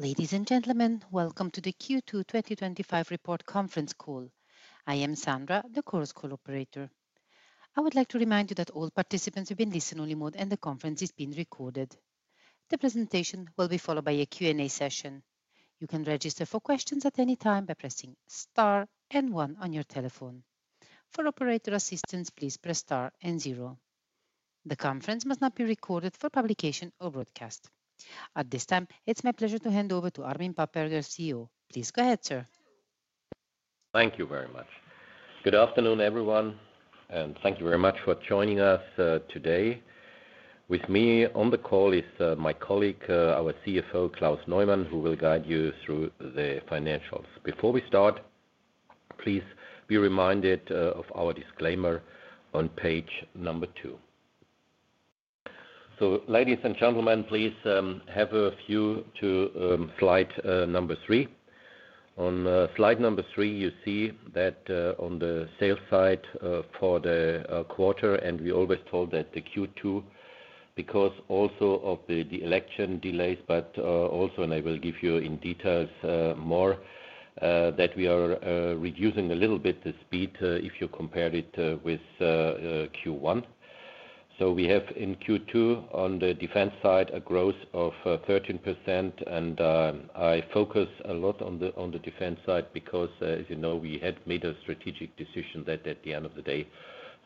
Ladies and gentlemen, welcome to the Q2 2025 report conference call. I am Sandra, the course call operator. I would like to remind you that all participants have been listened to in the mode and the conference is being recorded. The presentation will be followed by a Q&A session. You can register for questions at any time by pressing star and one on your telephone. For operator assistance, please press star and zero. The conference must not be recorded for publication or broadcast. At this time, it's my pleasure to hand over to Armin Papperger, CEO. Please go ahead, sir. Thank you very much. Good afternoon, everyone, and thank you very much for joining us today. With me on the call is my colleague, our CFO, Klaus Neumann, who will guide you through the financials. Before we start, please be reminded of our disclaimer on page number two. Ladies and gentlemen, please have a view to slide number three. On slide number three, you see that on the sales side for the quarter, and we always told that the Q2 because also of the election delays, but also, and I will give you in details more, that we are reducing a little bit the speed if you compare it with Q1. We have in Q2 on the defense side a growth of 13%, and I focus a lot on the defense side because, as you know, we had made a strategic decision that at the end of the day,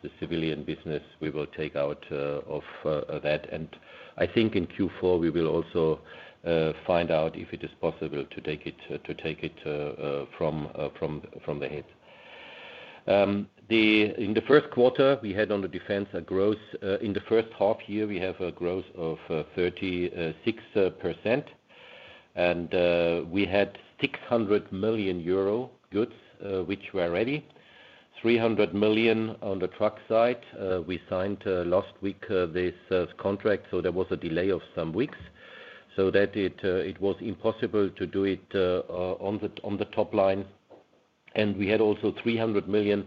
the civilian business we will take out of that. I think in Q4, we will also find out if it is possible to take it from the head. In the first quarter, we had on the defense a growth. In the first half year, we have a growth of 36%, and we had 600 million euro goods which were ready. 300 million on the truck side. We signed last week this contract, so there was a delay of some weeks. It was impossible to do it on the top line. We had also 300 million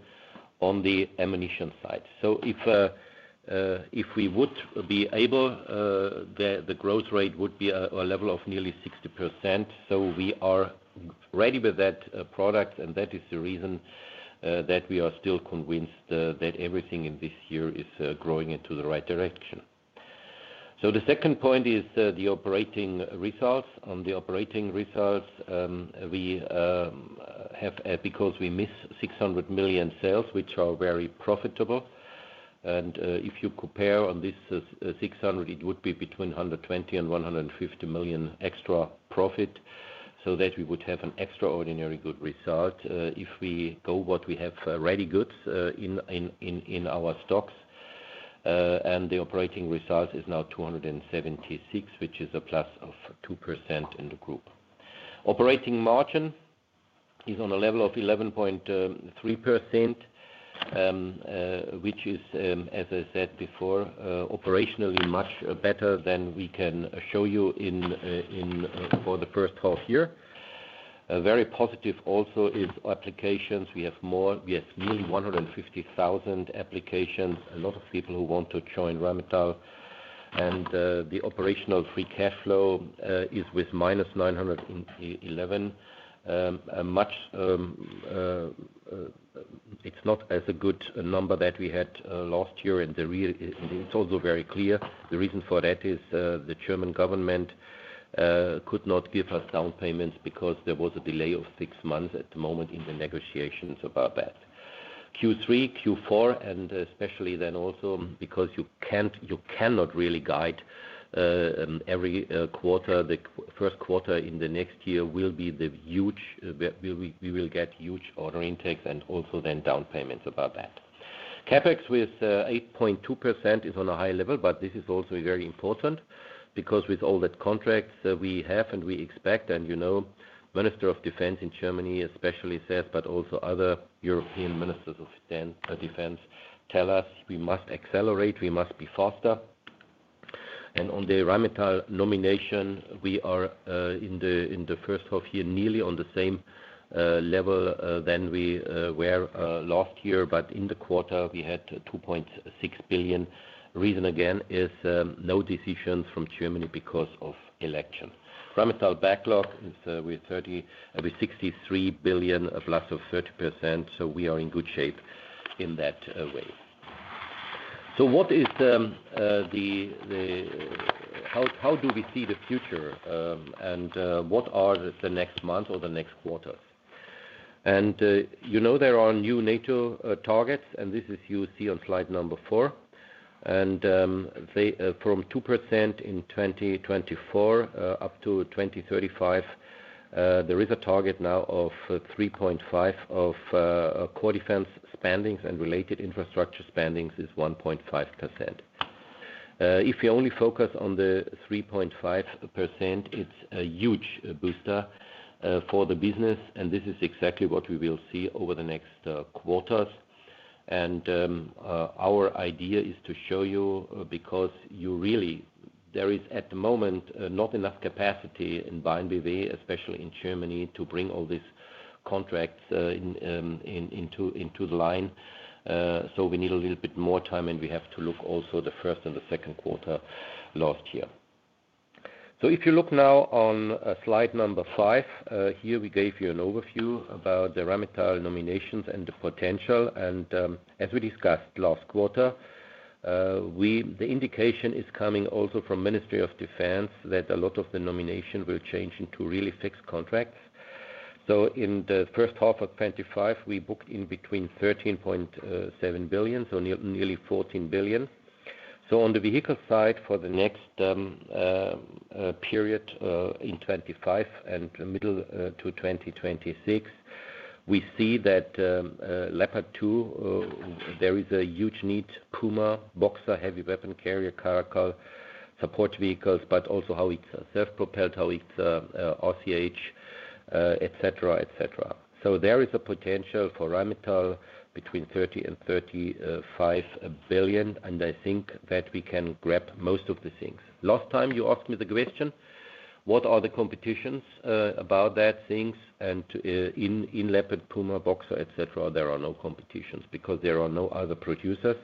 on the ammunition side. If we would be able, the growth rate would be a level of nearly 60%. We are ready with that product, and that is the reason that we are still convinced that everything in this year is growing into the right direction. The second point is the operating results. On the operating results, we have because we missed 600 million sales, which are very profitable. If you compare on this 600 million, it would be between 120 million and 150 million extra profit. We would have an extraordinarily good result if we go what we have ready goods in our stocks. The operating result is now 276 million, which is +2% in the group. Operating margin is on a level of 11.3%, which is, as I said before, operationally much better than we can show you in the first half year. Very positive also is applications. We have more than 150,000 applications. A lot of people who want to join Rheinmetall. The operational free cash flow is with -911 million. It's not as a good number that we had last year, and it's also very clear. The reason for that is the German government could not give us down payments because there was a delay of six months at the moment in the negotiations about that. Q3, Q4, and especially then also because you cannot really guide every quarter. The first quarter in the next year will be huge, we will get huge order intakes and also then down payments about that. CapEx with 8.2% is on a high level, but this is also very important because with all the contracts we have and we expect, and you know, the Minister of Defense in Germany especially says, but also other European Ministers of Defense tell us we must accelerate, we must be faster. On the Rheinmetall nomination, we are in the first half year nearly on the same level as we were last year, but in the quarter, we had 2.6 billion. The reason again is no decisions from Germany because of election. Rheinmetall backlog is at 63 billion, +30%, so we are in good shape in that way. What is the, how do we see the future, and what are the next months or the next quarters? You know there are new NATO targets, and this is what you see on slide number four. From 2% in 2024 up to 2035, there is a target now of 3.5% of core defense spendings and related infrastructure spendings is 1.5%. If you only focus on the 3.5%, it's a huge booster for the business, and this is exactly what we will see over the next quarters. Our idea is to show you because you really, there is at the moment not enough capacity in Bayern BW, especially in Germany, to bring all these contracts into the line. We need a little bit more time, and we have to look also at the first and the second quarter last year. If you look now on slide number five, here we gave you an overview about the Rheinmetall nominations and the potential. As we discussed last quarter, the indication is coming also from the Ministry of Defense that a lot of the nominations will change into really fixed contracts. In the first half of 2025, we booked in between 13.7 billion, so nearly 14 billion. On the vehicle side for the next period in 2025 and middle to 2026, we see that Leopard 2, there is a huge need, Puma, Boxer, heavy weapon carrier, Caracal support vehicles, but also how it's self-propelled, how it's RCH, etc., etc. There is a potential for Rheinmetall between 30 billion and 35 billion, and I think that we can grab most of the things. Last time you asked me the question, what are the competitions about that things, and in Leopard, Puma, Boxer, etc., there are no competitions because there are no other producers.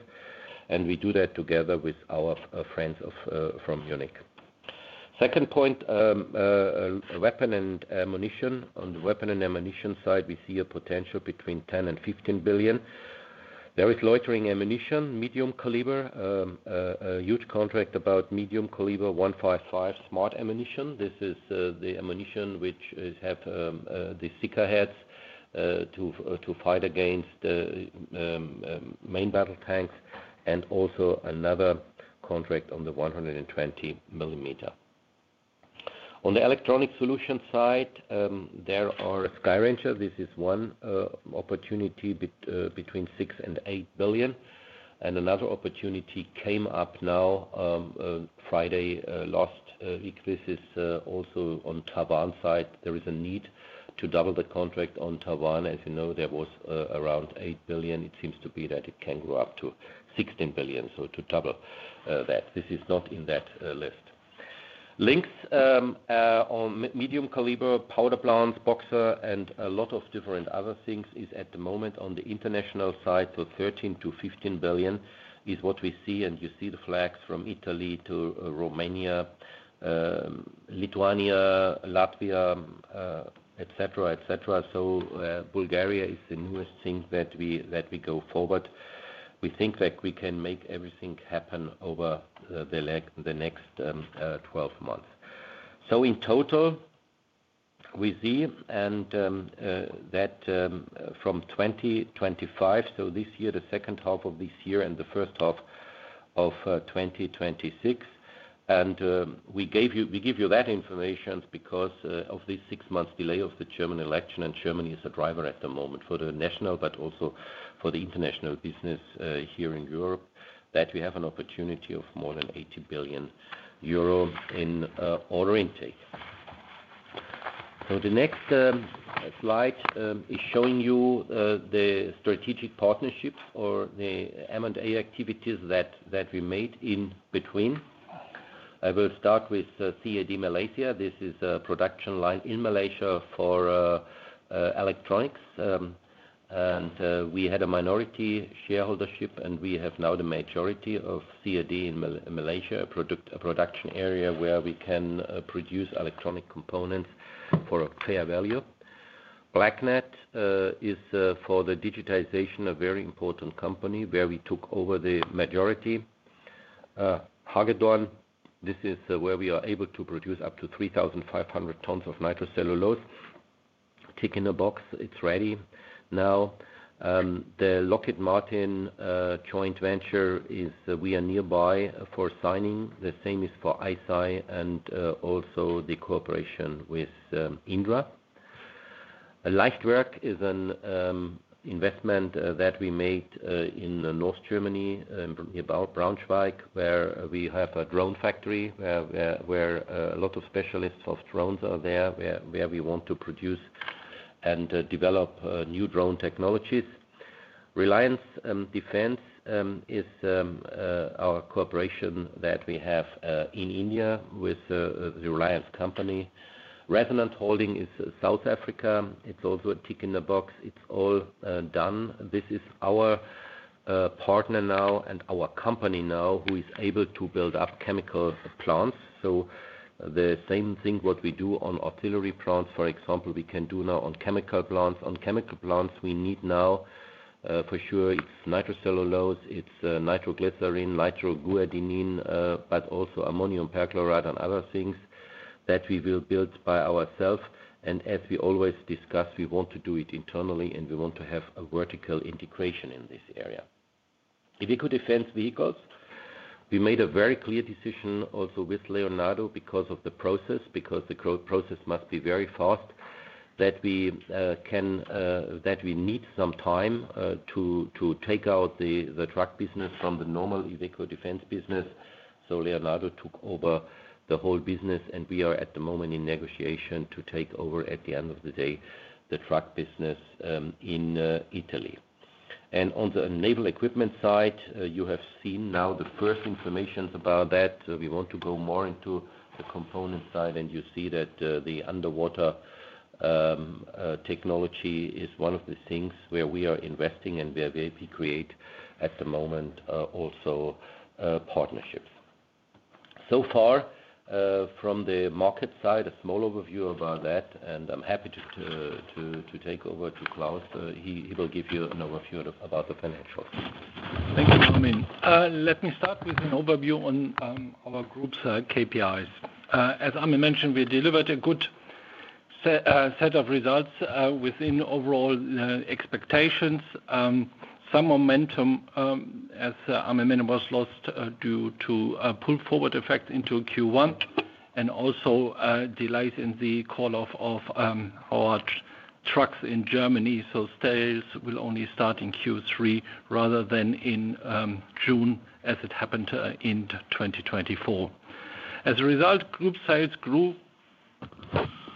We do that together with our friends from Munich. Second point, weapon and ammunition. On the weapon and ammunition side, we see a potential between 10 billion and 15 billion. There is loitering ammunition, medium caliber, a huge contract about medium caliber 155 SMArt ammunition. This is the ammunition which has the sticker heads to fight against the main battle tanks and also another contract on the 120 millimeter. On the electronic solutions side, there are Skyranger. This is one opportunity between 6 billion and 8 billion. Another opportunity came up now Friday last week. This is also on TaWAN side. There is a need to double the contract on TaWAN. As you know, there was around 8 billion. It seems to be that it can go up to 16 billion, to double that. This is not in that list. Links on medium caliber powder plants, Boxer, and a lot of different other things is at the moment on the international side for 13 billion-15 billion is what we see. You see the flags from Italy to Romania, Lithuania, Latvia, etc., etc. Bulgaria is the newest thing that we go forward. We think that we can make everything happen over the next 12 months. In total, we see that from 2025, so this year, the second half of this year and the first half of 2026. We give you that information because of this six-month delay of the German election. Germany is a driver at the moment for the national, but also for the international business here in Europe that we have an opportunity of more than 80 billion euro in order intake. The next slide is showing you the strategic partnerships or the M&A activities that we made in between. I will start with CAD Malaysia. This is a production line in Malaysia for electronics. We had a minority shareholdership, and we have now the majority of CAD in Malaysia, a production area where we can produce electronic components for a fair value. BlackNet is for the digitization, a very important company where we took over the majority. Hagedorn, this is where we are able to produce up to 3,500 tons of nitrocellulose. Tick in a box, it's ready. Now, the Lockheed Martin joint venture is we are nearby for signing. The same is for ICEYE and also the cooperation with Indra. Leichtwerk is an investment that we made in North Germany, about Braunschweig, where we have a drone factory where a lot of specialists for drones are there, where we want to produce and develop new drone technologies. Reliance Defense is our cooperation that we have in India with the Reliance Company. Resonant Holding is South Africa. It's also a tick in the box. It's all done. This is our partner now and our company now who is able to build up chemical plants. The same thing we do on artillery plants, for example, we can do now on chemical plants. On chemical plants, we need now for sure it's nitrocellulose, it's nitroglycerin, nitroglycerin, but also ammonium perchloride and other things that we will build by ourselves. As we always discuss, we want to do it internally and we want to have a vertical integration in this area. Vehicle defense vehicles, we made a very clear decision also with Leonardo because of the process, because the growth process must be very fast, that we need some time to take out the truck business from the normal vehicle defense business. Leonardo took over the whole business and we are at the moment in negotiation to take over at the end of the day the truck business in Italy. On the naval equipment side, you have seen now the first information about that. We want to go more into the component side and you see that the underwater technology is one of the things where we are investing and where we create at the moment also partnerships. So far, from the market side, a small overview about that and I'm happy to take over to Klaus. He will give you an overview about the financials. Thank you, Armin. Let me start with an overview on our group's KPIs. As Armin mentioned, we delivered a good set of results within overall expectations. Some momentum, as Armin mentioned, was lost due to a pull forward effect into Q1 and also delays in the call-off of our trucks in Germany. Sales will only start in Q3 rather than in June, as it happened in 2024. As a result, group sales grew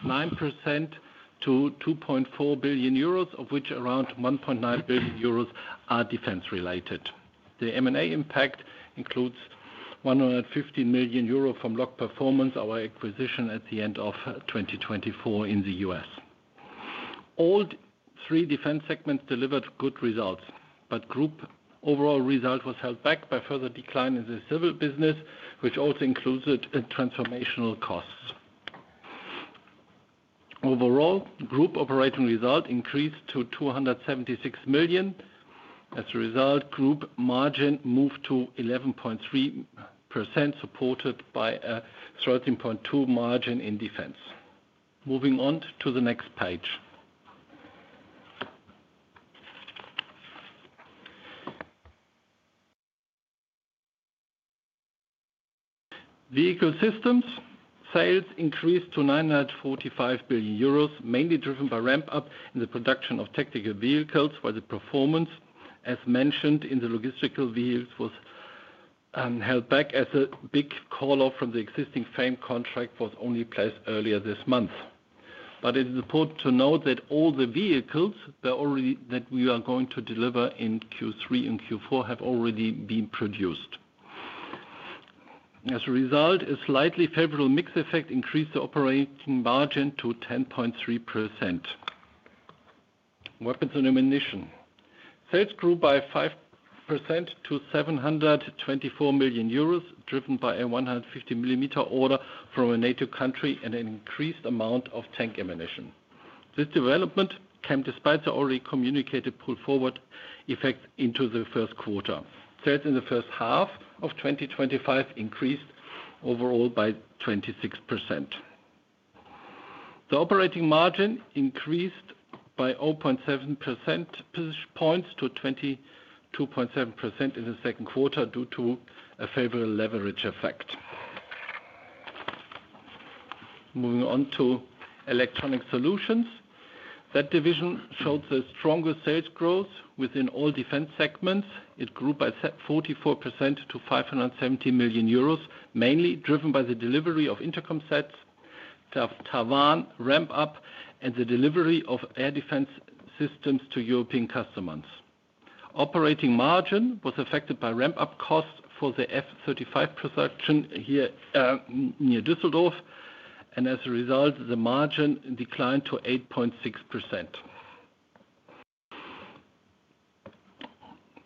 9% to 2.4 billion euros, of which around 1.9 billion euros are defense-related. The M&A impact includes 115 million euro from Lock Performance, our acquisition at the end of 2024 in the U.S. All three defense segments delivered good results, but group overall result was held back by further decline in the civil business, which also included transformational costs. Overall, group operating result increased to 276 million. As a result, group margin moved to 11.3%, supported by a 13.2% margin in defense. Moving on to the next page. Vehicle systems sales increased to 945 million euros, mainly driven by ramp-up in the production of tactical vehicles, where the performance, as mentioned in the logistical vehicles, was held back as a big call-off from the existing frame contract was only placed earlier this month. It is important to note that all the vehicles that we are going to deliver in Q3 and Q4 have already been produced. As a result, a slightly favorable mix effect increased the operating margin to 10.3%. Weapons and ammunition sales grew by 5% to 724 million euros, driven by a 150-millimeter order from a NATO country and an increased amount of tank ammunition. This development came despite the already communicated pull forward effects into the first quarter. Sales in the first half of 2025 increased overall by 26%. The operating margin increased by 0.7% points to 22.7% in the second quarter due to a favorable leverage effect. Moving on to electronic solutions. That division showed the strongest sales growth within all defense segments. It grew by 44% to 570 million euros, mainly driven by the delivery of intercom sets, TaWAN ramp-up, and the delivery of air defense systems to European customers. Operating margin was affected by ramp-up costs for the F-35 production here near Düsseldorf, and as a result, the margin declined to 8.6%.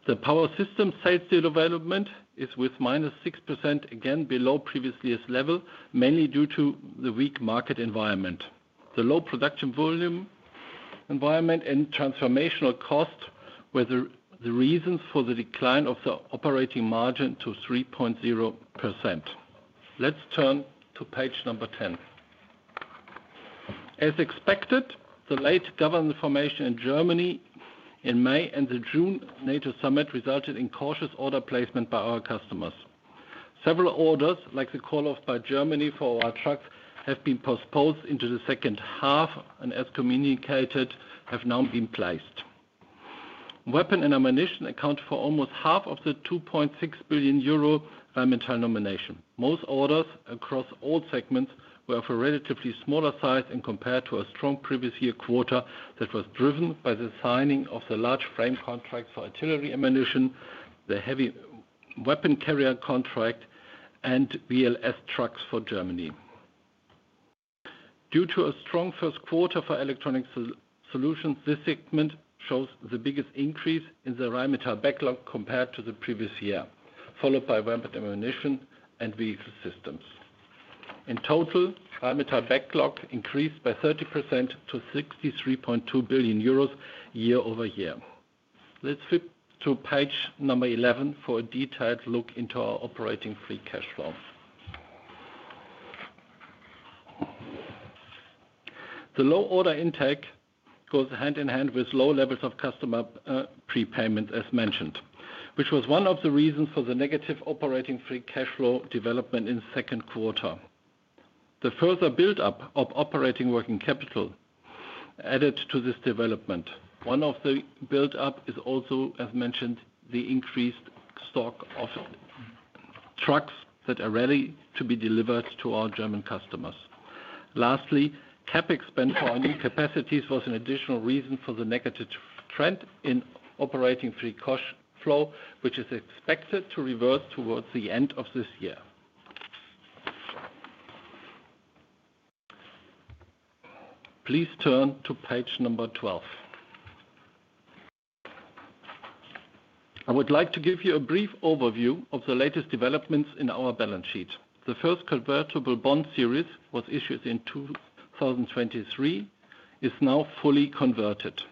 The power systems sales development is with -6%, again below previous year's level, mainly due to the weak market environment. The low production volume environment and transformational cost were the reasons for the decline of the operating margin to 3.0%. Let's turn to page number 10. As expected, the latest government information in Germany in May and the June NATO summit resulted in cautious order placement by our customers. Several orders, like the call-off by Germany for our trucks, have been postponed into the second half and, as communicated, have now been placed. Weapons and ammunition account for almost half of the 2.6 billion euro Rheinmetall nomination. Most orders across all segments were of a relatively smaller size and compared to a strong previous year quarter that was driven by the signing of the large frame contracts for artillery ammunition, the heavy weapon carrier contract, and BLS trucks for Germany. Due to a strong first quarter for electronic solutions, this segment shows the biggest increase in the Rheinmetall backlog compared to the previous year, followed by ramp-up ammunition and vehicle systems. In total, Rheinmetall backlog increased by 30% to 63.2 billion euros year-over-year. Let's flip to page number 11 for a detailed look into our operating free cash flow. The low order intake goes hand in hand with low levels of customer prepayments, as mentioned, which was one of the reasons for the negative operating free cash flow development in the second quarter. The further buildup of operating working capital added to this development. One of the buildups is also, as mentioned, the increased stock of trucks that are ready to be delivered to our German customers. Lastly, CapEx spend for our new capacities was an additional reason for the negative trend in operating free cash flow, which is expected to revert towards the end of this year. Please turn to page number 12. I would like to give you a brief overview of the latest developments in our balance sheet. The first convertible bond series was issued in 2023, is now fully converted.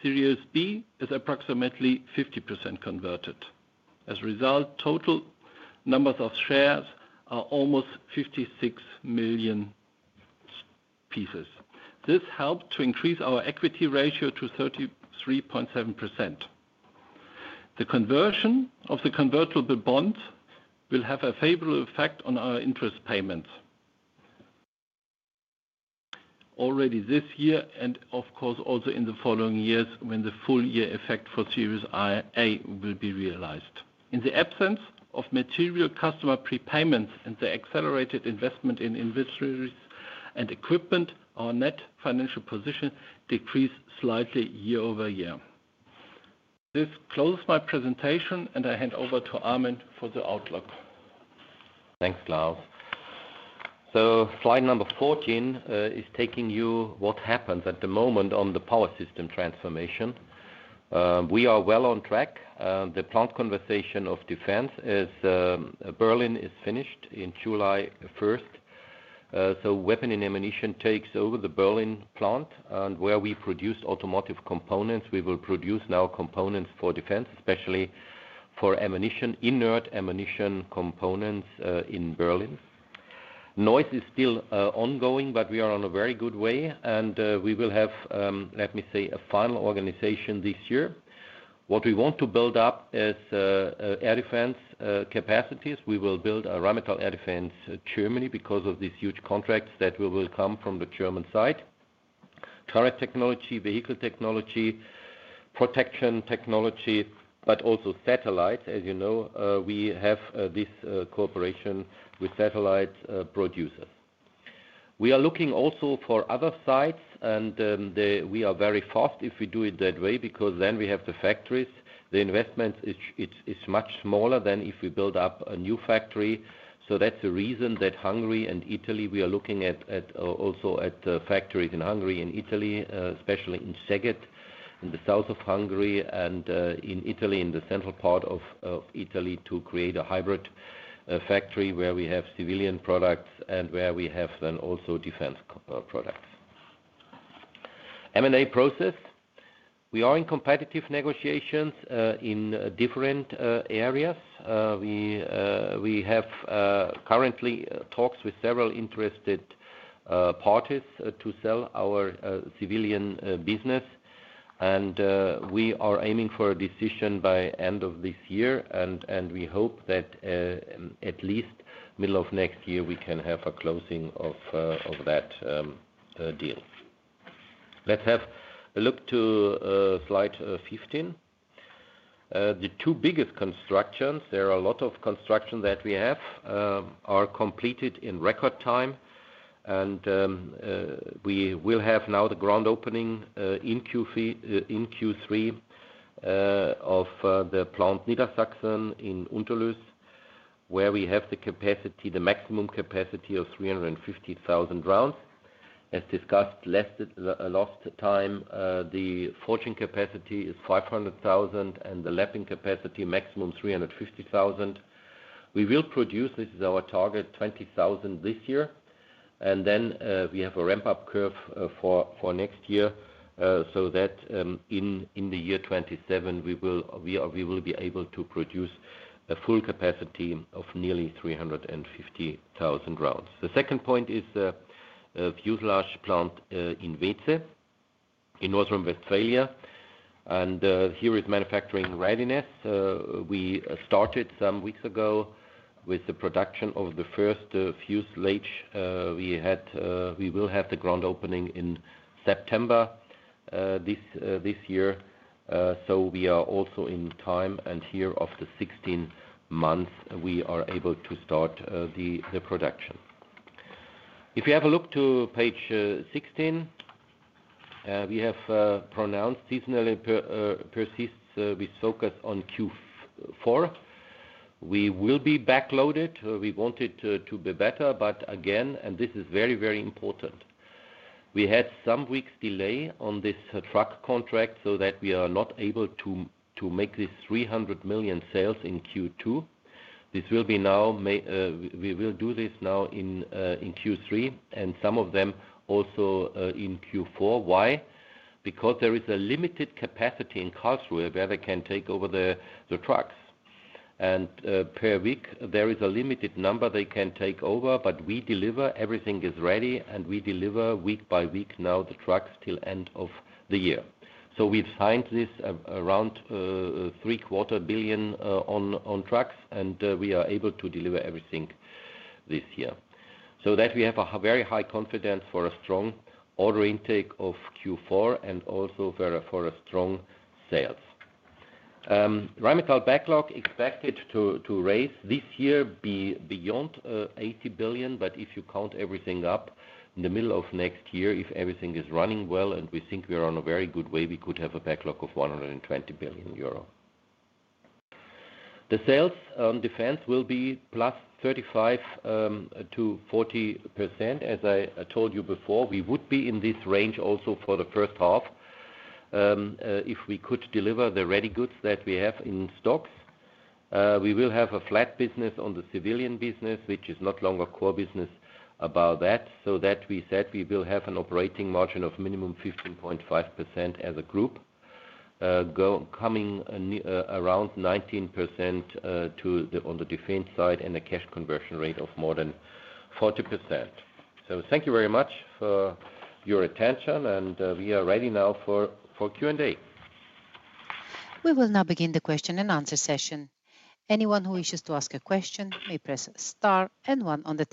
Series B is approximately 50% converted. As a result, total numbers of shares are almost 56 million pieces. This helped to increase our equity ratio to 33.7%. The conversion of the convertible bonds will have a favorable effect on our interest payments already this year and, of course, also in the following years when the full-year effect for Series A will be realized. In the absence of material customer prepayments and the accelerated investment in inventories and equipment, our net financial position decreased slightly year-over-year. This closes my presentation, and I hand over to Armin for the outlook. Thanks, Klaus. Slide number 14 is taking you through what happens at the moment on the power system transformation. We are well on track. The plant conversion of defense in Berlin is finished on July 1st. Weapon and ammunition takes over the Berlin plant. Where we produce automotive components, we will produce now components for defense, especially for ammunition, inert ammunition components in Berlin. Noise is still ongoing, but we are on a very good way. We will have, let me say, a final organization this year. What we want to build up is air defense capacities. We will build a Rheinmetall air defense Germany because of these huge contracts that will come from the German side. Current technology, vehicle technology, protection technology, but also satellites. As you know, we have this cooperation with satellite producers. We are looking also for other sites, and we are very fast if we do it that way because then we have the factories. The investment is much smaller than if we build up a new factory. That is the reason that Hungary and Italy, we are looking at also at factories in Hungary and Italy, especially in Szeged in the south of Hungary and in Italy, in the central part of Italy, to create a hybrid factory where we have civilian products and where we have then also defense products. M&A process. We are in competitive negotiations in different areas. We have currently talks with several interested parties to sell our civilian business. We are aiming for a decision by the end of this year. We hope that at least middle of next year, we can have a closing of that deal. Let's have a look to slide 15. The two biggest constructions, there are a lot of constructions that we have, are completed in record time. We will have now the ground opening in Q3 of the plant Niedersachsen in Unterlüß, where we have the maximum capacity of 350,000 rounds. As discussed last time, the forging capacity is 500,000 and the lapping capacity maximum 350,000. We will produce, this is our target, 20,000 this year. We have a ramp-up curve for next year so that in the year 2027, we will be able to produce a full capacity of nearly 350,000 rounds. The second point is the fuselage plant in Weeze in Northern Westphalia. Here with manufacturing readiness, we started some weeks ago with the production of the first fuselage. We will have the ground opening in September this year. We are also in time. After 16 months, we are able to start the production. If you have a look to page 16, we have pronounced seasonality persists. We focus on Q4. We will be backloaded. We want it to be better, again, and this is very, very important, we had some weeks' delay on this truck contract so that we are not able to make these 300 million sales in Q2. This will be now, we will do this now in Q3 and some of them also in Q4. Why? Because there is a limited capacity in Karlsruhe where they can take over the trucks. Per week, there is a limited number they can take over, but we deliver, everything is ready, and we deliver week by week now the trucks till the end of the year. We've signed this around 750 million on trucks, and we are able to deliver everything this year. We have a very high confidence for a strong order intake of Q4 and also for strong sales. Rheinmetall backlog expected to raise this year beyond 80 billion, but if you count everything up in the middle of next year, if everything is running well and we think we are on a very good way, we could have a backlog of 120 billion euro. The sales on defense will be +35% to +40%. As I told you before, we would be in this range also for the first half if we could deliver the ready goods that we have in stocks. We will have a flat business on the civilian business, which is not long a core business about that. We said we will have an operating margin of minimum 15.5% as a group, coming around 19% on the defense side and a cash conversion rate of more than 40%. Thank you very much for your attention, and we are ready now for Q&A. We will now begin the question-and-answer session. Anyone who wishes to ask a question may press star and one on the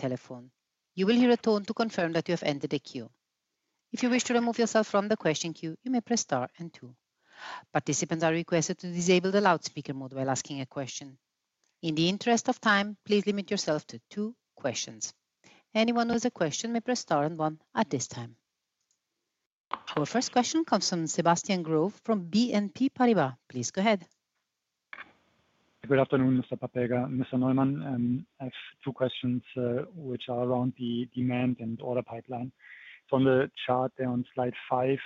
telephone. You will hear a tone to confirm that you have entered the queue. If you wish to remove yourself from the question queue, you may press star and two. Participants are requested to disable the loudspeaker mode while asking a question. In the interest of time, please limit yourself to two questions. Anyone who has a question may press star and one at this time. Our first question comes from Sebastian Growe from BNP Paribas. Please go ahead. Good afternoon, Mr. Papperger, Mr. Neumann. I have two questions which are around the demand and order pipeline. From the chart there on slide five,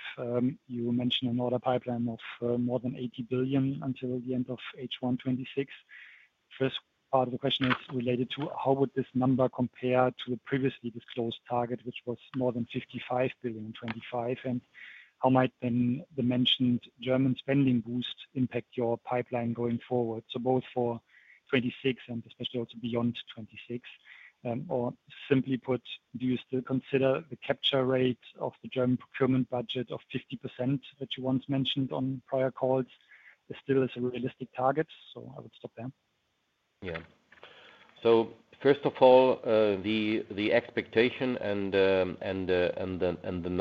you mentioned an order pipeline of more than 80 billion until the end of H1 2026. The first part of the question is related to how would this number compare to the previously disclosed target, which was more than 55 billion in 2025, and how might then the mentioned German spending boost impact your pipeline going forward? This applies both for 2026 and especially also beyond 2026. Do you still consider the capture rate of the German procurement budget of 50% that you once mentioned on prior calls? Is it still a realistic target? I would stop there. Yeah. First of all, the expectation and the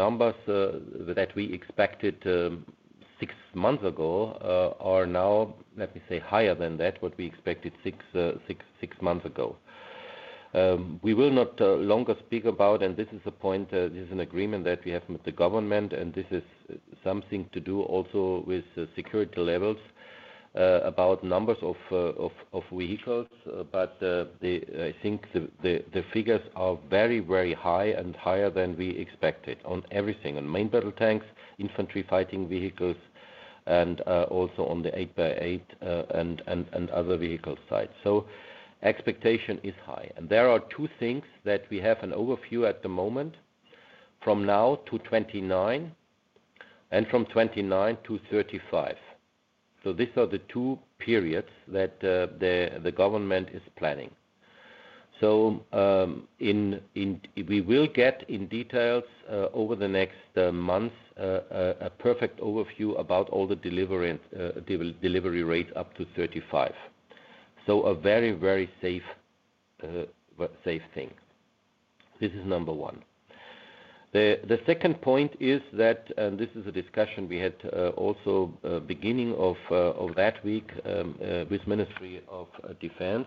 numbers that we expected six months ago are now, let me say, higher than what we expected six months ago. We will no longer speak about, and this is a point, this is an agreement that we have with the government, and this is something to do also with security levels about numbers of vehicles. I think the figures are very, very high and higher than we expected on everything, on main battle tanks, infantry fighting vehicles, and also on the 8x8 and other vehicle sides. Expectation is high. There are two things that we have an overview at the moment, from now to 2029 and from 2029-2035. These are the two periods that the government is planning. We will get in details over the next months a perfect overview about all the delivery rates up to 2035. A very, very safe thing. This is number one. The second point is that, and this is a discussion we had also beginning of that week with the Ministry of Defense,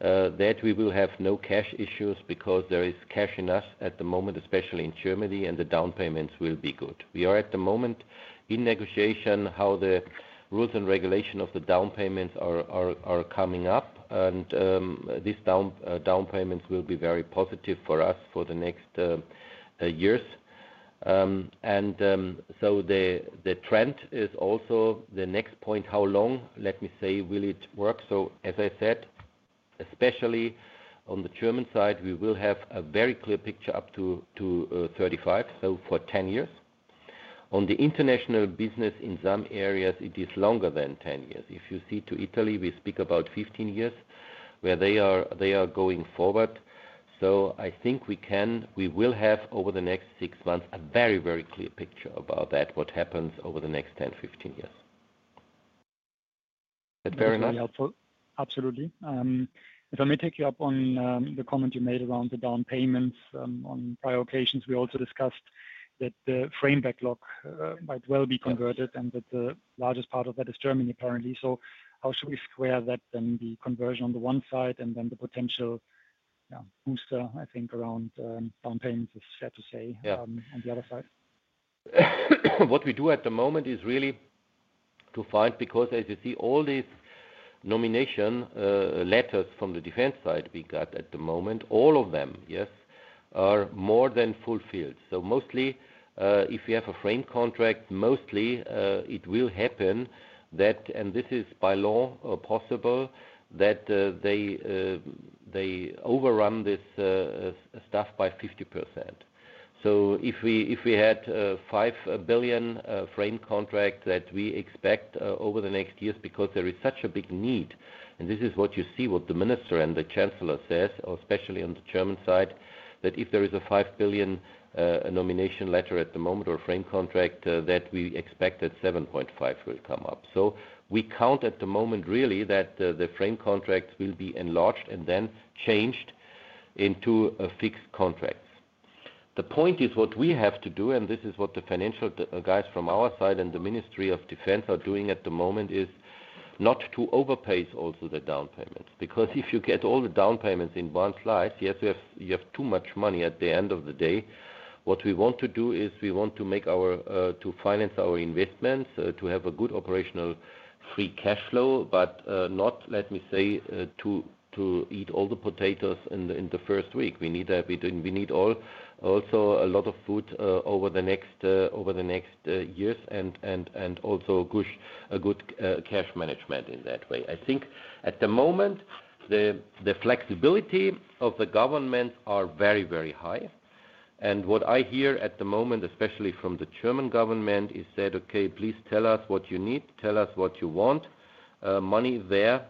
that we will have no cash issues because there is cash enough at the moment, especially in Germany, and the down payments will be good. We are at the moment in negotiation how the rules and regulations of the down payments are coming up, and these down payments will be very positive for us for the next years. The trend is also the next point, how long, let me say, will it work? As I said, especially on the German side, we will have a very clear picture up to 2035, for 10 years. On the international business, in some areas, it is longer than 10 years. If you see to Italy, we speak about 15 years where they are going forward. I think we can, we will have over the next six months a very, very clear picture about that, what happens over the next 10-15 years. That's very helpful. Absolutely. If I may take you up on the comment you made around the down payments. On prior occasions, we also discussed that the frame backlog might well be converted and that the largest part of that is Germany currently. How should we square that then? The conversion on the one side and the potential, yeah, booster, I think, around down payments is fair to say on the other side. What we do at the moment is really to find, because as you see, all these nomination letters from the defense side we got at the moment, all of them, yes, are more than fulfilled. Mostly, if you have a frame contract, it will happen that, and this is by law possible, they overrun this stuff by 50%. If we had a 5 billion frame contract that we expect over the next years, because there is such a big need, and this is what you see, what the Minister and the Chancellor say, or especially on the German side, that if there is a 5 billion nomination letter at the moment or frame contract, we expect that 7.5 billion will come up. We count at the moment that the frame contracts will be enlarged and then changed into fixed contracts. The point is what we have to do, and this is what the financial guys from our side and the Ministry of Defense are doing at the moment, is not to overpace also the down payments. If you get all the down payments in one slide, you have too much money at the end of the day. What we want to do is we want to finance our investments, to have a good operational free cash flow, but not, let me say, to eat all the potatoes in the first week. We need to have it. We need also a lot of food over the next years and also a good cash management in that way. I think at the moment, the flexibility of the government is very, very high. What I hear at the moment, especially from the German government, is that, okay, please tell us what you need. Tell us what you want. Money there.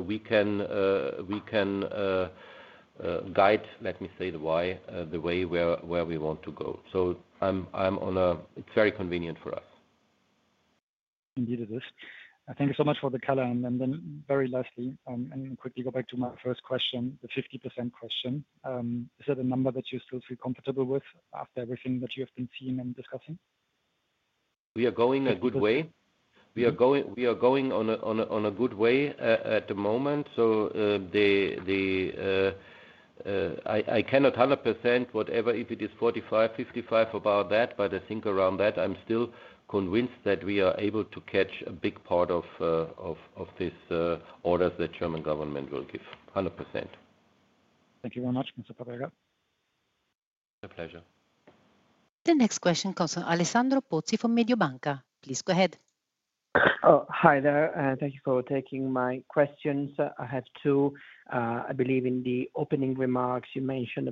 We can guide, let me say, the way where we want to go. I'm on a, it's very convenient for us. Indeed it is. Thank you so much for the color. Lastly, I'm going to quickly go back to my first question, the 50% question. Is it a number that you still feel comfortable with after everything that you have been seeing and discussing? We are going on a good way at the moment. I cannot 100% say whether it is 45%, 55% about that, but I think around that. I'm still convinced that we are able to catch a big part of these orders that the German government will give. 100%. Thank you very much, Mr. Papperger. A pleasure. The next question comes from Alessandro Pozzi from Mediobanca. Please go ahead. Hi there. Thank you for taking my questions. I have two. I believe in the opening remarks, you mentioned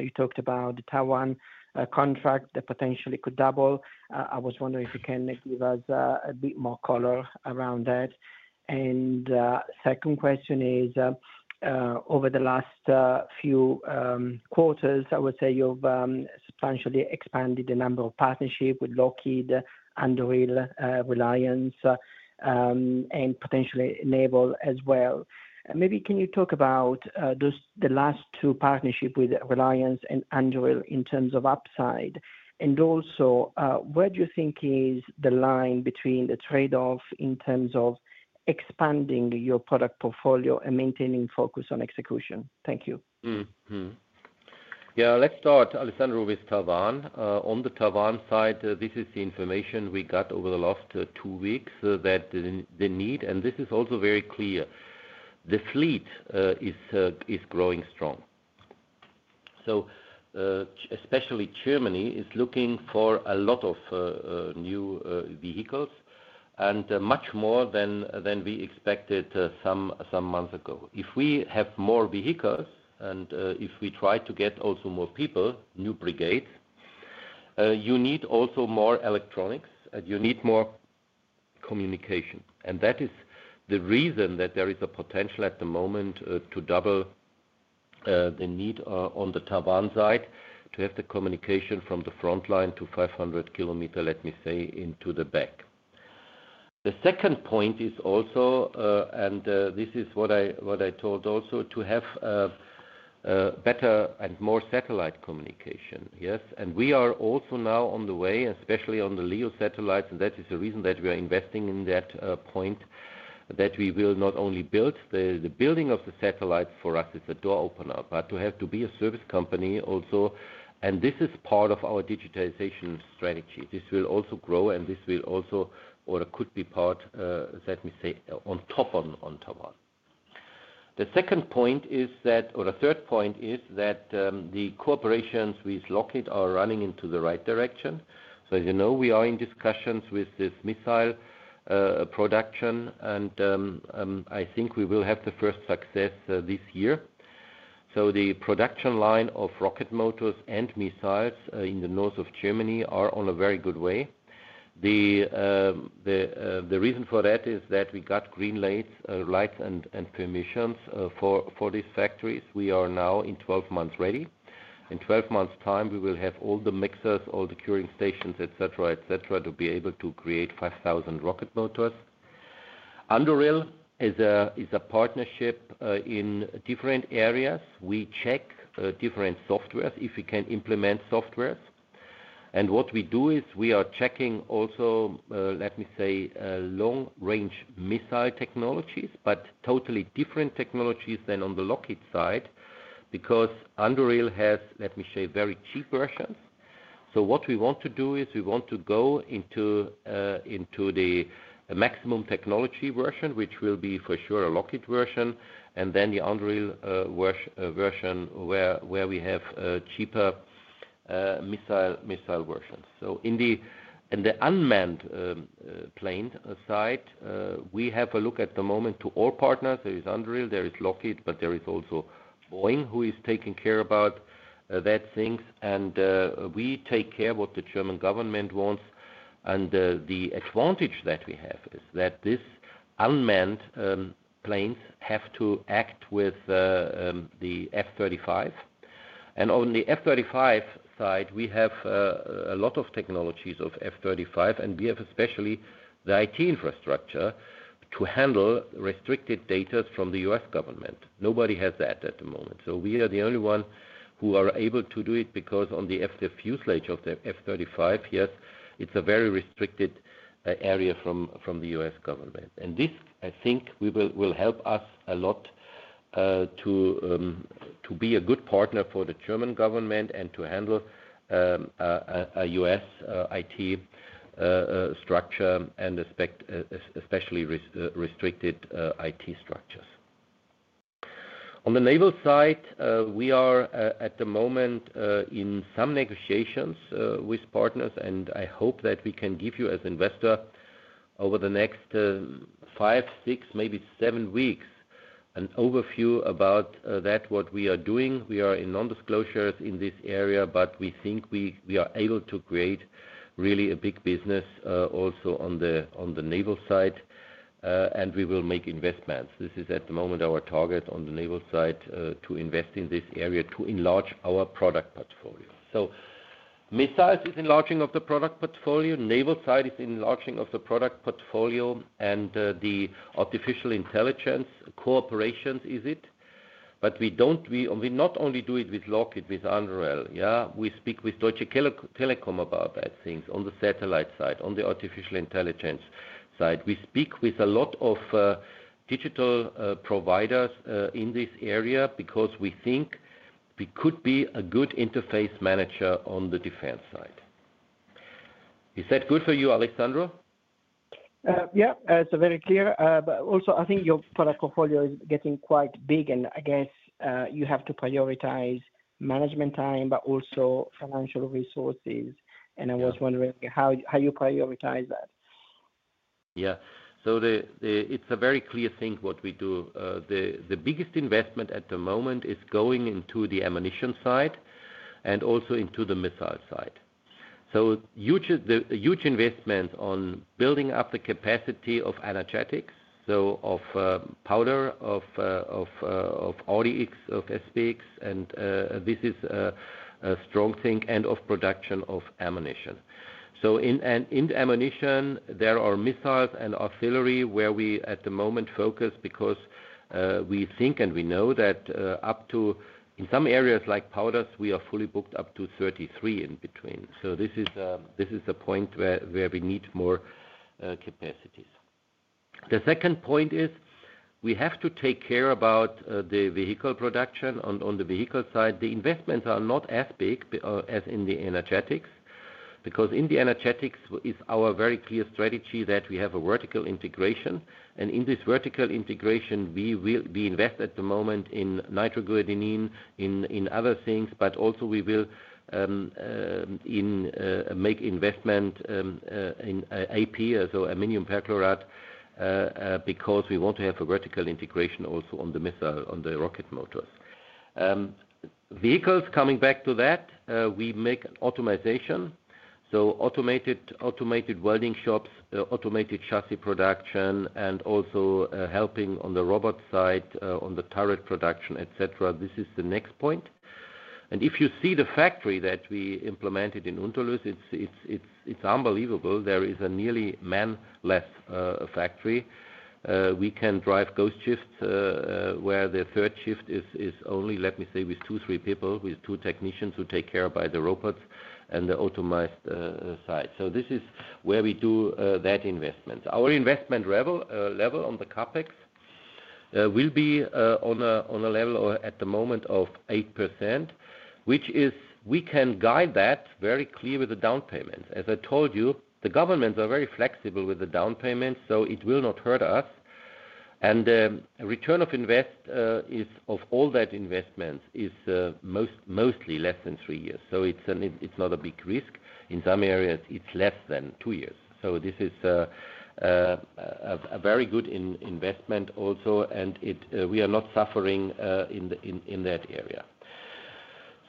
you talked about the TaWAN contract that potentially could double. I was wondering if you can give us a bit more color around that. The second question is, over the last few quarters, I would say you've substantially expanded the number of partnerships with Lockheed Martin, Anduril, Reliance Defense, and potentially Naval as well. Maybe can you talk about the last two partnerships with Reliance Defense and Anduril in terms of upside? Also, where do you think is the line between the trade-off in terms of expanding your product portfolio and maintaining focus on execution? Thank you. Yeah, let's start, Alessandro, with TaWAN. On the TaWAN side, this is the information we got over the last two weeks that the need, and this is also very clear. The fleet is growing strong. Especially Germany is looking for a lot of new vehicles and much more than we expected some months ago. If we have more vehicles and if we try to get also more people, new brigades, you need also more electronics and you need more communication. That is the reason that there is a potential at the moment to double the need on the TaWAN side to have the communication from the front line to 500 km, let me say, into the back. The second point is also, and this is what I told also, to have better and more satellite communication. Yes. We are also now on the way, especially on the LEO satellites, and that is the reason that we are investing in that point, that we will not only build the building of the satellites for us, it's a door opener, but to have to be a service company also. This is part of our digitization strategy. This will also grow and this will also, or it could be part, let me say, on top on TaWAN. The second point is that, or the third point is that the cooperations with Lockheed Martin are running into the right direction. As you know, we are in discussions with this missile production, and I think we will have the first success this year. The production line of rocket motors and missiles in the north of Germany is on a very good way. The reason for that is that we got green lights and permissions for these factories. We are now in 12 months ready. In 12 months' time, we will have all the mixers, all the curing stations, etc., etc., to be able to create 5,000 rocket motors. Anduril is a partnership in different areas. We check different softwares if we can implement softwares. What we do is we are checking also, let me say, long-range missile technologies, but totally different technologies than on the Lockheed Martin side because Anduril has, let me say, very cheap versions. What we want to do is we want to go into the maximum technology version, which will be for sure a Lockheed Martin version, and then the Anduril version where we have cheaper missile versions. In the unmanned plane side, we have a look at the moment to all partners. There is Anduril, there is Lockheed Martin, but there is also Boeing who is taking care about that thing. We take care of what the German government wants. The advantage that we have is that these unmanned planes have to act with the F-35. On the F-35 side, we have a lot of technologies of F-35, and we have especially the IT infrastructure to handle restricted data from the U.S. government. Nobody has that at the moment. We are the only ones who are able to do it because on the fuselage of the F-35, yes, it's a very restricted area from the U.S. government. I think this will help us a lot to be a good partner for the German government and to handle a U.S. IT structure and especially restricted IT structures. On the naval side, we are at the moment in some negotiations with partners, and I hope that we can give you as an investor over the next five, six, maybe seven weeks, an overview about what we are doing. We are in non-disclosures in this area, but we think we are able to create really a big business also on the naval side, and we will make investments. This is at the moment our target on the naval side to invest in this area to enlarge our product portfolio. Missiles is enlarging of the product portfolio, naval side is enlarging of the product portfolio, and the artificial intelligence cooperations is it. We don't only do it with Lockheed Martin, with Anduril. We speak with Deutsche Telekom about that thing on the satellite side, on the artificial intelligence side. We speak with a lot of digital providers in this area because we think we could be a good interface manager on the defense side. Is that good for you, Alessandro? Yeah, it's very clear. I think your product portfolio is getting quite big, and I guess you have to prioritize management time, but also financial resources. I was wondering how you prioritize that. Yeah. So it's a very clear thing what we do. The biggest investment at the moment is going into the ammunition side and also into the missile side. Huge investments on building up the capacity of energetic, so of powder, of AudiX, of SPX, and this is a strong thing, and of production of ammunition. In ammunition, there are missiles and artillery where we at the moment focus because we think and we know that up to in some areas like powders, we are fully booked up to 2033 in between. This is a point where we need more capacities. The second point is we have to take care about the vehicle production on the vehicle side. The investments are not as big as in the energetics because in the energetics is our very clear strategy that we have a vertical integration. In this vertical integration, we invest at the moment in nitroglycerin, in other things, but also we will make investments in AP as well as ammonium perchloride because we want to have a vertical integration also on the missile, on the rocket motors. Vehicles, coming back to that, we make optimization. Automated welding shops, automated chassis production, and also helping on the robot side, on the turret production, etc. This is the next point. If you see the factory that we implemented in Unterlüß, it's unbelievable. There is a nearly manless factory. We can drive ghost shifts where the third shift is only, let me say, with 2-3 people, with two technicians who take care of the robots and the optimized side. This is where we do that investment. Our investment level on the CapEx will be on a level at the moment of 8%, which is we can guide that very clearly with the down payments. As I told you, the governments are very flexible with the down payments, so it will not hurt us. The return of investment is of all that investment is mostly less than three years. It's not a big risk. In some areas, it's less than two years. This is a very good investment also, and we are not suffering in that area.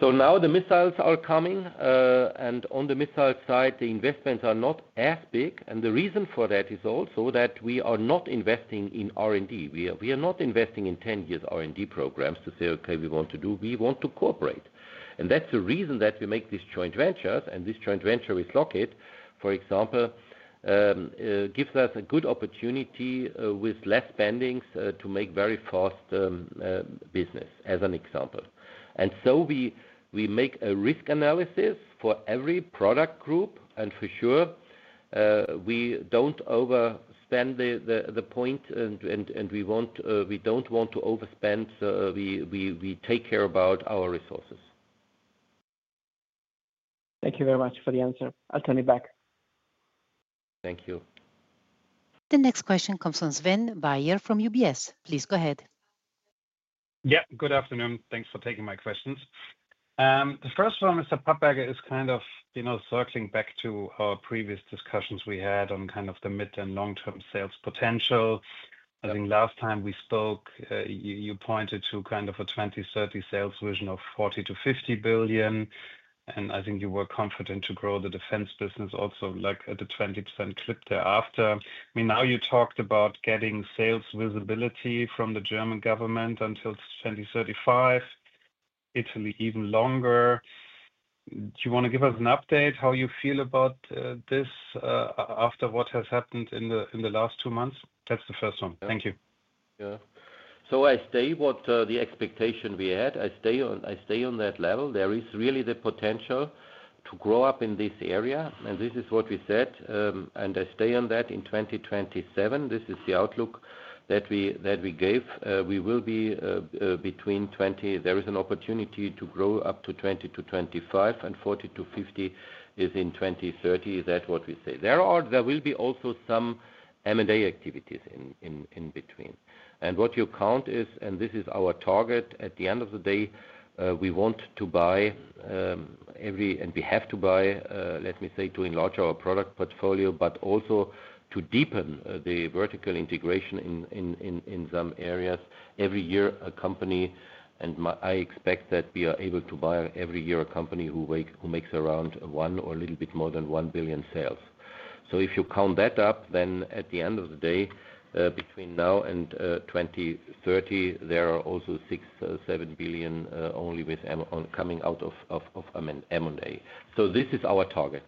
Now the missiles are coming, and on the missile side, the investments are not as big. The reason for that is also that we are not investing in R&D. We are not investing in 10-year R&D programs to say, "Okay, we want to do, we want to cooperate." That's the reason that we make these joint ventures. This joint venture with Lockheed Martin, for example, gives us a good opportunity with less spendings to make very fast business, as an example. We make a risk analysis for every product group, and for sure, we don't overspend the point, and we don't want to overspend. We take care about our resources. Thank you very much for the answer. I'll turn it back. Thank you. The next question comes from Sven Weier from UBS. Please go ahead. Yeah, good afternoon. Thanks for taking my questions. The first one, Mr. Papperger, is kind of circling back to our previous discussions we had on kind of the mid and long-term sales potential. I think last time we spoke, you pointed to kind of a 2030 sales vision of 40 billion-50 billion. I think you were confident to grow the defense business also like the 20% clip thereafter. I mean, now you talked about getting sales visibility from the German government until 2035, Italy even longer. Do you want to give us an update how you feel about this after what has happened in the last two months? That's the first one. Thank you. Yeah. I stay with the expectation we had. I stay on that level. There is really the potential to grow up in this area. This is what we said. I stay on that in 2027. This is the outlook that we gave. We will be between 20. There is an opportunity to grow up to 20-25, and 40-50 is in 2030. Is that what we say? There will be also some M&A activities in between. What you count is, and this is our target. At the end of the day, we want to buy every, and we have to buy, let me say, to enlarge our product portfolio, but also to deepen the vertical integration in some areas. Every year, a company, and I expect that we are able to buy every year a company who makes around one or a little bit more than 1 billion sales. If you count that up, then at the end of the day, between now and 2030, there are also 6 billion, 7 billion only with coming out of M&A. This is our target.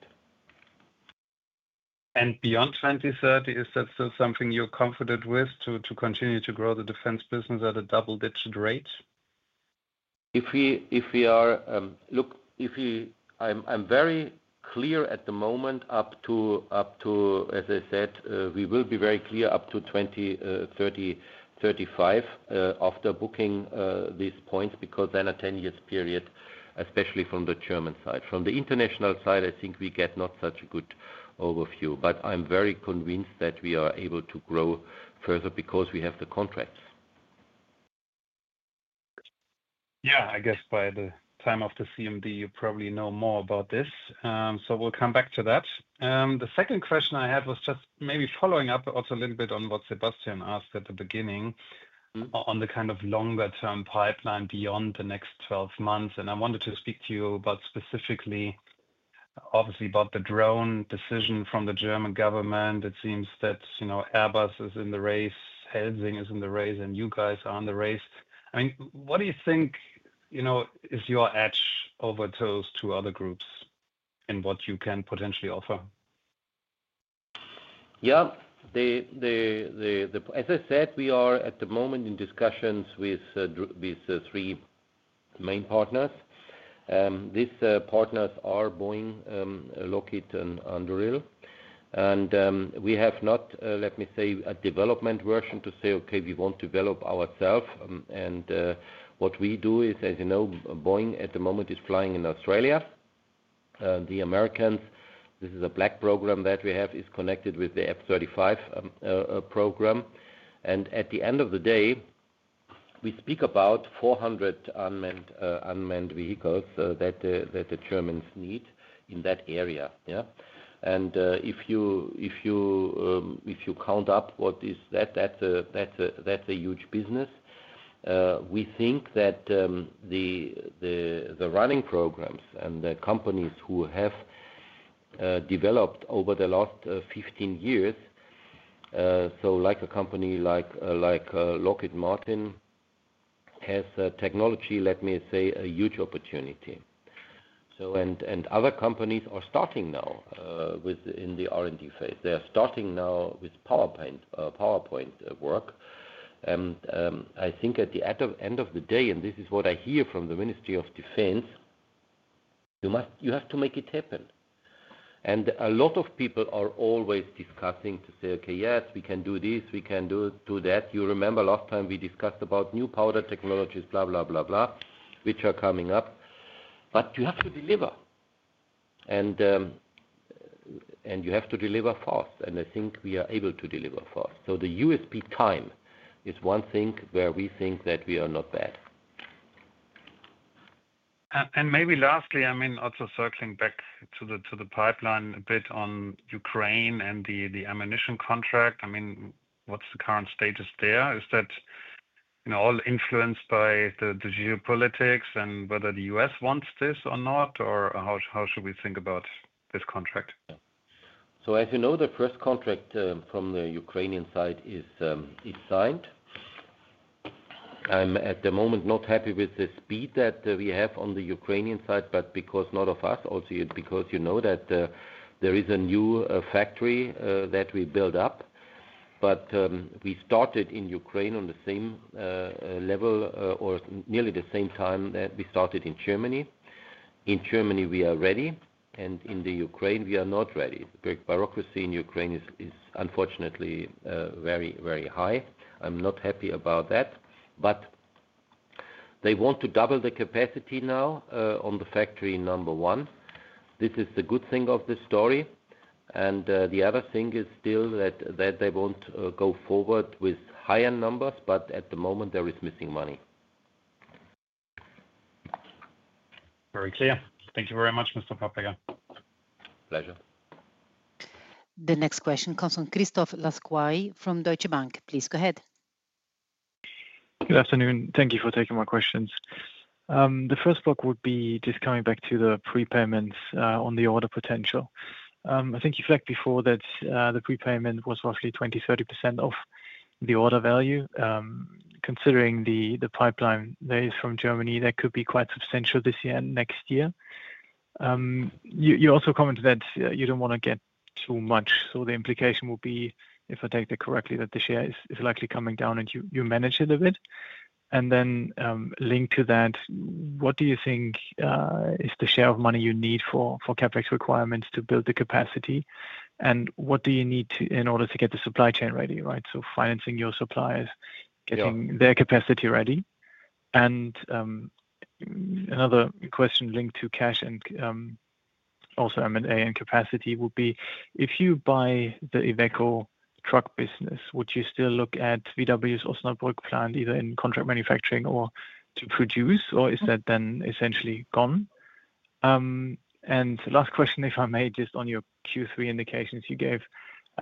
Beyond 2030, is that still something you're confident with to continue to grow the defense business at a double-digit rate? If you, I'm very clear at the moment, as I said, we will be very clear up to 2030-2035 after booking these points because then a 10-year period, especially from the German side. From the international side, I think we get not such a good overview, but I'm very convinced that we are able to grow further because we have the contracts. Yeah, I guess by the time of the CMD, you probably know more about this. We'll come back to that. The second question I had was just maybe following up also a little bit on what Sebastian asked at the beginning on the kind of longer-term pipeline beyond the next 12 months. I wanted to speak to you about specifically, obviously, about the drone decision from the German government. It seems that Airbus is in the race, Helsing is in the race, and you guys are in the race. What do you think is your edge over those two other groups in what you can potentially offer? Yeah. As I said, we are at the moment in discussions with these three main partners. These partners are Boeing, Lockheed Martin, and Anduril. We have not, let me say, a development version to say, "Okay, we won't develop ourselves." What we do is, as you know, Boeing at the moment is flying in Australia. The Americans, this is a black program that we have, is connected with the F-35 program. At the end of the day, we speak about 400 unmanned vehicles that the Germans need in that area. Yeah. If you count up what is that, that's a huge business. We think that the running programs and the companies who have developed over the last 15 years, so like a company like Lockheed Martin has technology, let me say, a huge opportunity. Other companies are starting now within the R&D phase. They are starting now with PowerPoint work. I think at the end of the day, and this is what I hear from the Ministry of Defense, you have to make it happen. A lot of people are always discussing to say, "Okay, yes, we can do this. We can do that." You remember last time we discussed about new powder technologies, blah, blah, blah, blah, which are coming up. You have to deliver. You have to deliver fast. I think we are able to deliver fast. The USP time is one thing where we think that we are not bad. Lastly, also circling back to the pipeline a bit on Ukraine and the ammunition contract, what's the current status there? Is that all influenced by the geopolitics and whether the U.S. wants this or not, or how should we think about this contract? As you know, the first contract from the Ukrainian side is signed. I'm at the moment not happy with the speed that we have on the Ukrainian side, also because you know that there is a new factory that we build up. We started in Ukraine on the same level or nearly the same time that we started in Germany. In Germany, we are ready, and in Ukraine, we are not ready. The bureaucracy in Ukraine is unfortunately very, very high. I'm not happy about that. They want to double the capacity now on factory number one. This is the good thing of the story. The other thing is still that they want to go forward with higher numbers, but at the moment, there is missing money. Very clear. Thank you very much, Mr. Papperger. Pleasure. The next question comes from Christoph Laskawi from Deutsche Bank. Please go ahead. Good afternoon. Thank you for taking my questions. The first block would be just coming back to the prepayments on the order potential. I think you flagged before that the prepayment was roughly 20-30% of the order value. Considering the pipeline that is from Germany, that could be quite substantial this year and next year. You also commented that you don't want to get too much. The implication would be, if I take that correctly, that the share is likely coming down and you manage it a bit. Linked to that, what do you think is the share of money you need for CapEx requirements to build the capacity? What do you need in order to get the supply chain ready, right? Financing your suppliers, getting their capacity ready. Another question linked to cash and also M&A and capacity would be, if you buy the Iveco truck business, would you still look at VW's Osnabrück plant either in contract manufacturing or to produce, or is that then essentially gone? The last question, if I may, just on your Q3 indications you gave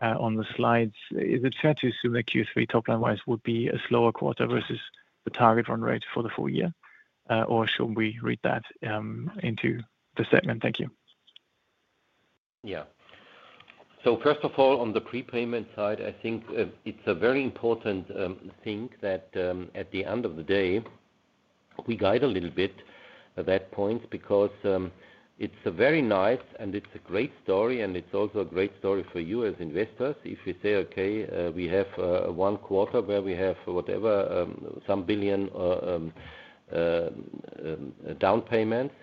on the slides, is it fair to assume that Q3 top line-wise would be a slower quarter versus the target run rate for the full year? Should we read that into the segment? Thank you. Yeah. First of all, on the prepayment side, I think it's a very important thing that at the end of the day, we guide a little bit at that point because it's a very nice and it's a great story and it's also a great story for you as investors if you say, "Okay, we have one quarter where we have, whatever, some billion down payments."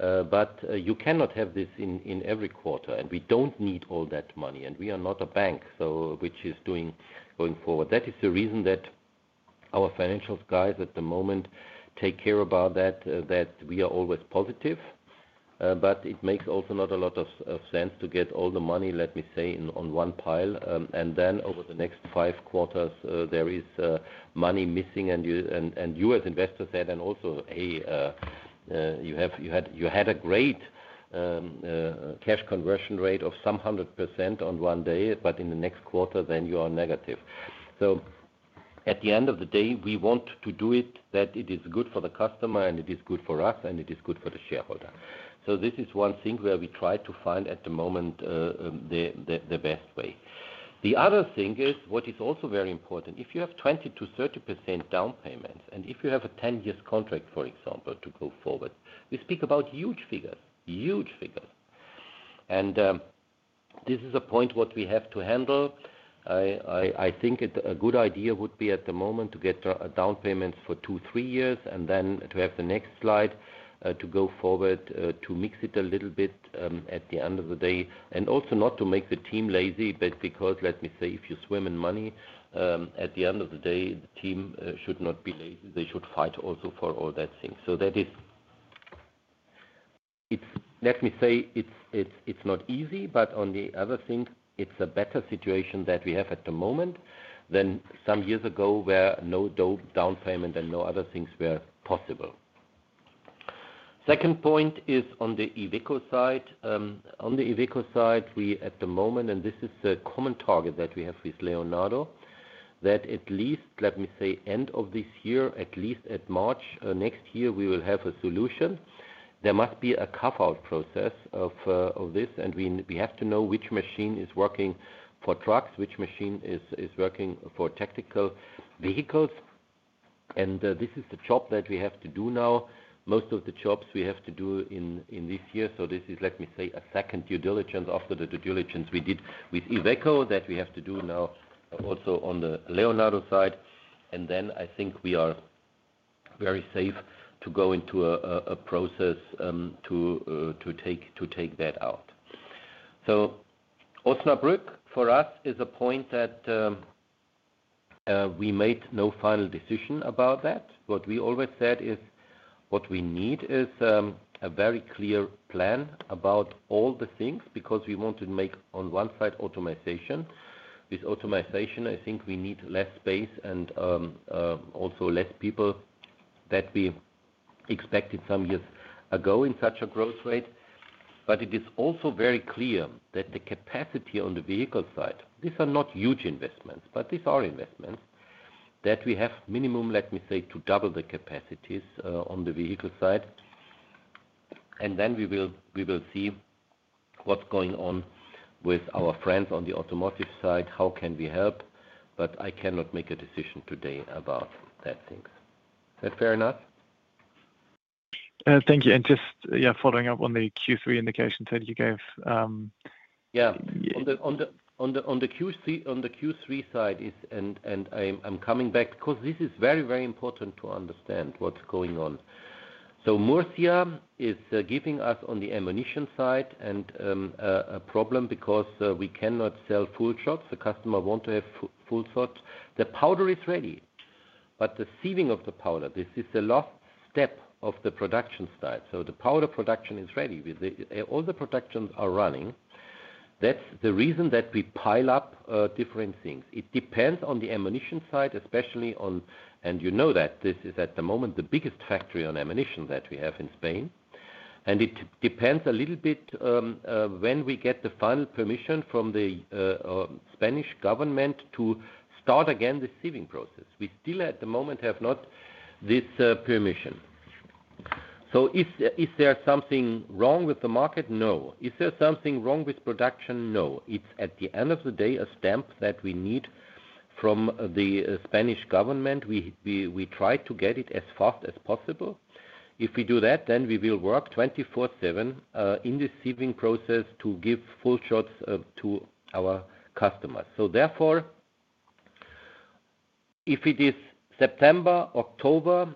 You cannot have this in every quarter and we don't need all that money and we are not a bank, so which is doing going forward. That is the reason that our financial guys at the moment take care about that, that we are always positive. It makes also not a lot of sense to get all the money, let me say, on one pile. Over the next five quarters, there is money missing and you as investors said, and also, hey, you had a great cash conversion rate of some 100% on one day, but in the next quarter, then you are negative. At the end of the day, we want to do it, that it is good for the customer and it is good for us and it is good for the shareholder. This is one thing where we try to find at the moment the best way. The other thing is what is also very important. If you have 20%-30% down payments and if you have a 10-year contract, for example, to go forward, we speak about huge figures, huge figures. This is a point what we have to handle. I think a good idea would be at the moment to get down payments for two, three years and then to have the next slide to go forward, to mix it a little bit at the end of the day. Also not to make the team lazy, but because, let me say, if you swim in money, at the end of the day, the team should not be lazy. They should fight also for all that thing. That is, let me say, it's not easy, but on the other thing, it's a better situation that we have at the moment than some years ago where no down payment and no other things were possible. Second point is on the Iveco side. On the Iveco side, we at the moment, and this is a common target that we have with Leonardo, that at least, let me say, end of this year, at least at March next year, we will have a solution. There must be a cut-out process of this, and we have to know which machine is working for trucks, which machine is working for tactical vehicles. This is the job that we have to do now. Most of the jobs we have to do in this year. This is, let me say, a second due diligence after the due diligence we did with Iveco that we have to do now also on the Leonardo side. I think we are very safe to go into a process to take that out. Osnabrück for us is a point that we made no final decision about. What we always said is what we need is a very clear plan about all the things because we want to make on one side optimization. With optimization, I think we need less space and also fewer people than we expected some years ago in such a growth rate. It is also very clear that the capacity on the vehicle side, these are not huge investments, but these are investments that we have minimum, let me say, to double the capacities on the vehicle side. We will see what's going on with our friends on the automotive side, how can we help? I cannot make a decision today about that thing. Is that fair enough? Thank you. Just following up on the Q3 indications that you gave. Yeah. On the Q3 side, and I'm coming back because this is very, very important to understand what's going on. Murcia is giving us on the ammunition side a problem because we cannot sell full shots. The customer wants to have full shots. The powder is ready, but the sealing of the powder, this is the locked depth of the production style. The powder production is ready. All the productions are running. That's the reason that we pile up different things. It depends on the ammunition side, especially on, and you know that this is at the moment the biggest factory on ammunition that we have in Spain. It depends a little bit when we get the final permission from the Spanish government to start again the sealing process. We still at the moment have not this permission. Is there something wrong with the market? No. Is there something wrong with production? No. It's at the end of the day a stamp that we need from the Spanish government. We try to get it as fast as possible. If we do that, then we will work 24/7 in the sealing process to give full shots to our customers. If it is September, October,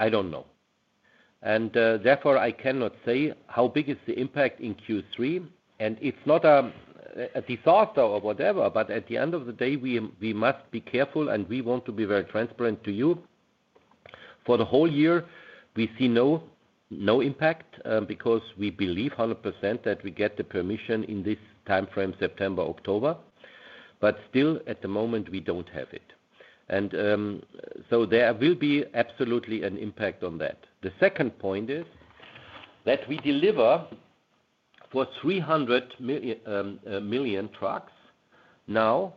I don't know. Therefore, I cannot say how big is the impact in Q3. It's not a detractor or whatever, but at the end of the day, we must be careful and we want to be very transparent to you. For the whole year, we see no impact because we believe 100% that we get the permission in this timeframe, September, October. Still, at the moment, we don't have it, and so there will be absolutely an impact on that. The second point is that we deliver for 300 million trucks now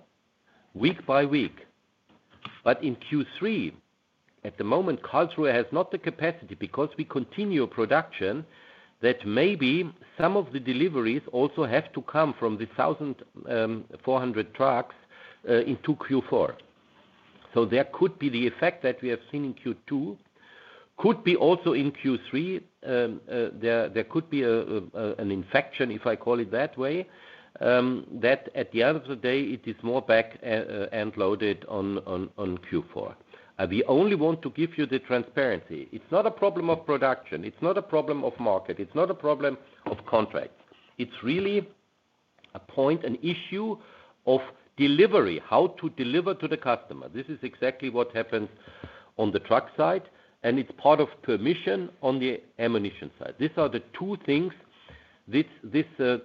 week by week. In Q3, at the moment, Karlsruhe has not the capacity because we continue production that maybe some of the deliveries also have to come from the 1,400 trucks into Q4. There could be the effect that we are thinning Q2. Could be also in Q3. There could be an infection, if I call it that way, that at the end of the day, it is more back and loaded on Q4. We only want to give you the transparency. It's not a problem of production. It's not a problem of market. It's not a problem of contracts. It's really a point, an issue of delivery, how to deliver to the customer. This is exactly what happens on the truck side, and it's part of permission on the ammunition side. These are the two things this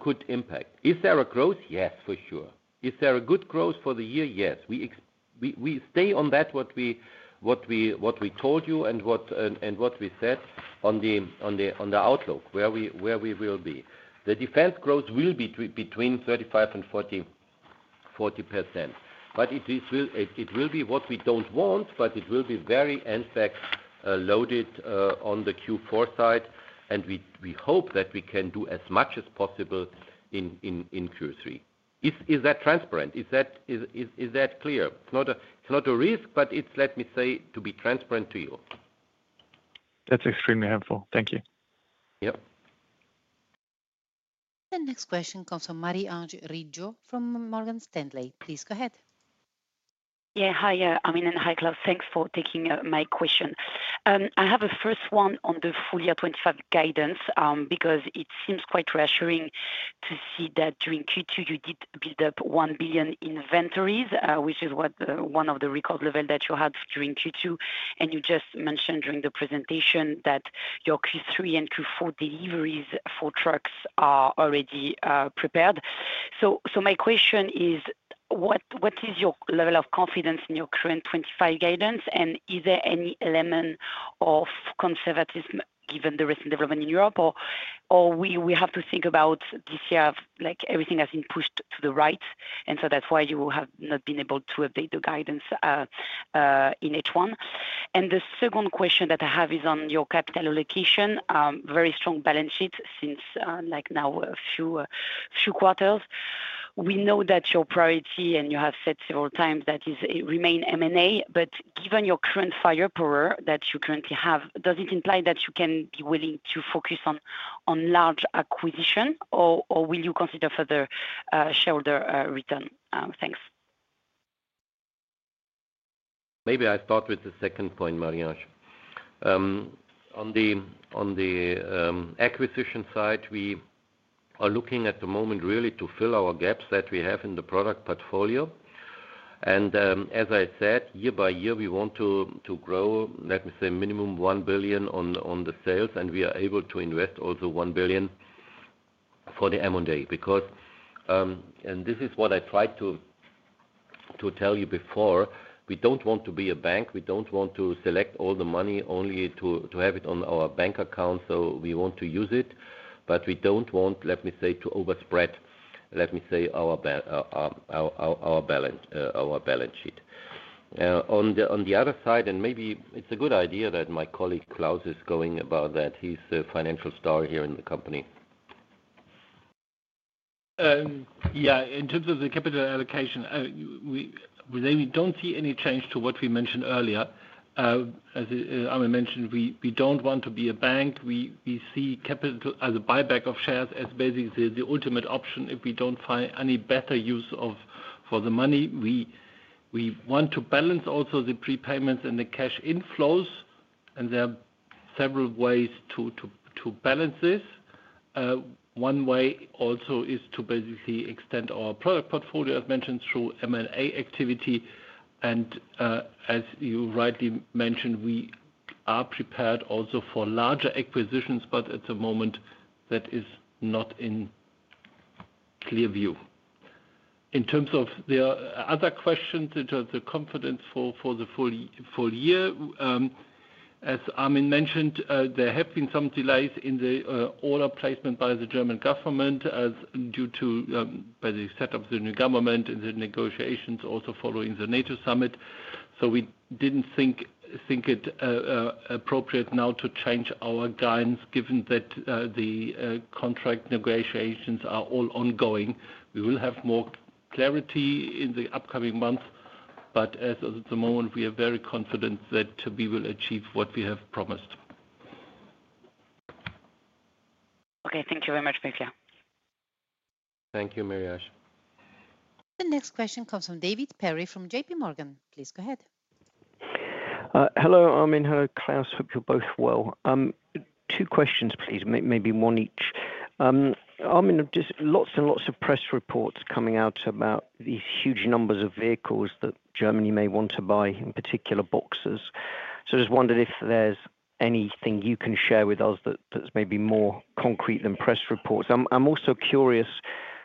could impact. Is there a growth? Yes, for sure. Is there a good growth for the year? Yes. We stay on that, what we told you and what we said on the outlook where we will be. The defense growth will be between 35% and 40%. It will be what we don't want, but it will be very end-stack loaded on the Q4 side. We hope that we can do as much as possible in Q3. Is that transparent? Is that clear? It's not a risk, but it's, let me say, to be transparent to you. That's extremely helpful. Thank you. Yeah. The next question comes from Marie-Ange Riggio from Morgan Stanley. Please go ahead. Yeah. Hi, Armin, and hi, Klaus. Thanks for taking my question. I have a first one on the full year 2025 guidance because it seems quite reassuring to see that during Q2, you did build up 1 billion inventories, which is one of the record levels that you had during Q2. You just mentioned during the presentation that your Q3 and Q4 deliveries for trucks are already prepared. My question is, what is your level of confidence in your current 2025 guidance? Is there any element of conservatism, given the recent development in Europe, or do we have to think about this year as if everything has been pushed to the right? That is why you have not been able to update the guidance in H1. The second question that I have is on your capital allocation, very strong balance sheet since now a few quarters. We know that your priority, and you have said several times, is to remain M&A. Given your current firepower that you currently have, does it imply that you can be willing to focus on large acquisition, or will you consider further shareholder return? Thanks. Maybe I start with the second point, Marie-Ange. On the acquisition side, we are looking at the moment really to fill our gaps that we have in the product portfolio. As I said, year by year, we want to grow, let me say, minimum 1 billion on the sales, and we are able to invest also 1 billion for the M&A because, and this is what I tried to tell you before, we don't want to be a bank. We don't want to select all the money only to have it on our bank account. We want to use it, but we don't want, let me say, to overspread, let me say, our balance sheet. On the other side, maybe it's a good idea that my colleague Klaus is going about that. He's a financial star here in the company. Yeah. In terms of the capital allocation, we really don't see any change to what we mentioned earlier. As Armin mentioned, we don't want to be a bank. We see capital as a buyback of shares as basically the ultimate option if we don't find any better use for the money. We want to balance also the prepayments and the cash inflows, and there are several ways to balance this. One way also is to basically extend our product portfolio, as mentioned, through M&A activity. As you rightly mentioned, we are prepared also for larger acquisitions, but at the moment, that is not in clear view. In terms of the other questions, in terms of the confidence for the full year, as Armin mentioned, there have been some delays in the order placement by the German government due to, by the setup of the new government in the negotiations also following the NATO summit. We didn't think it appropriate now to change our guidance given that the contract negotiations are all ongoing. We will have more clarity in the upcoming months, but as of the moment, we are very confident that we will achieve what we have promised. Okay. Thank you very much. Thank you, Marie-Ange. The next question comes from David Perry from JPMorgan. Please go ahead. Hello, Armin, and hello, Klaus. Hope you're both well. Two questions, please. Maybe one each. There are lots and lots of press reports coming out about these huge numbers of vehicles that Germany may want to buy, in particular Boxers. I just wondered if there's anything you can share with us that's maybe more concrete than press reports. I'm also curious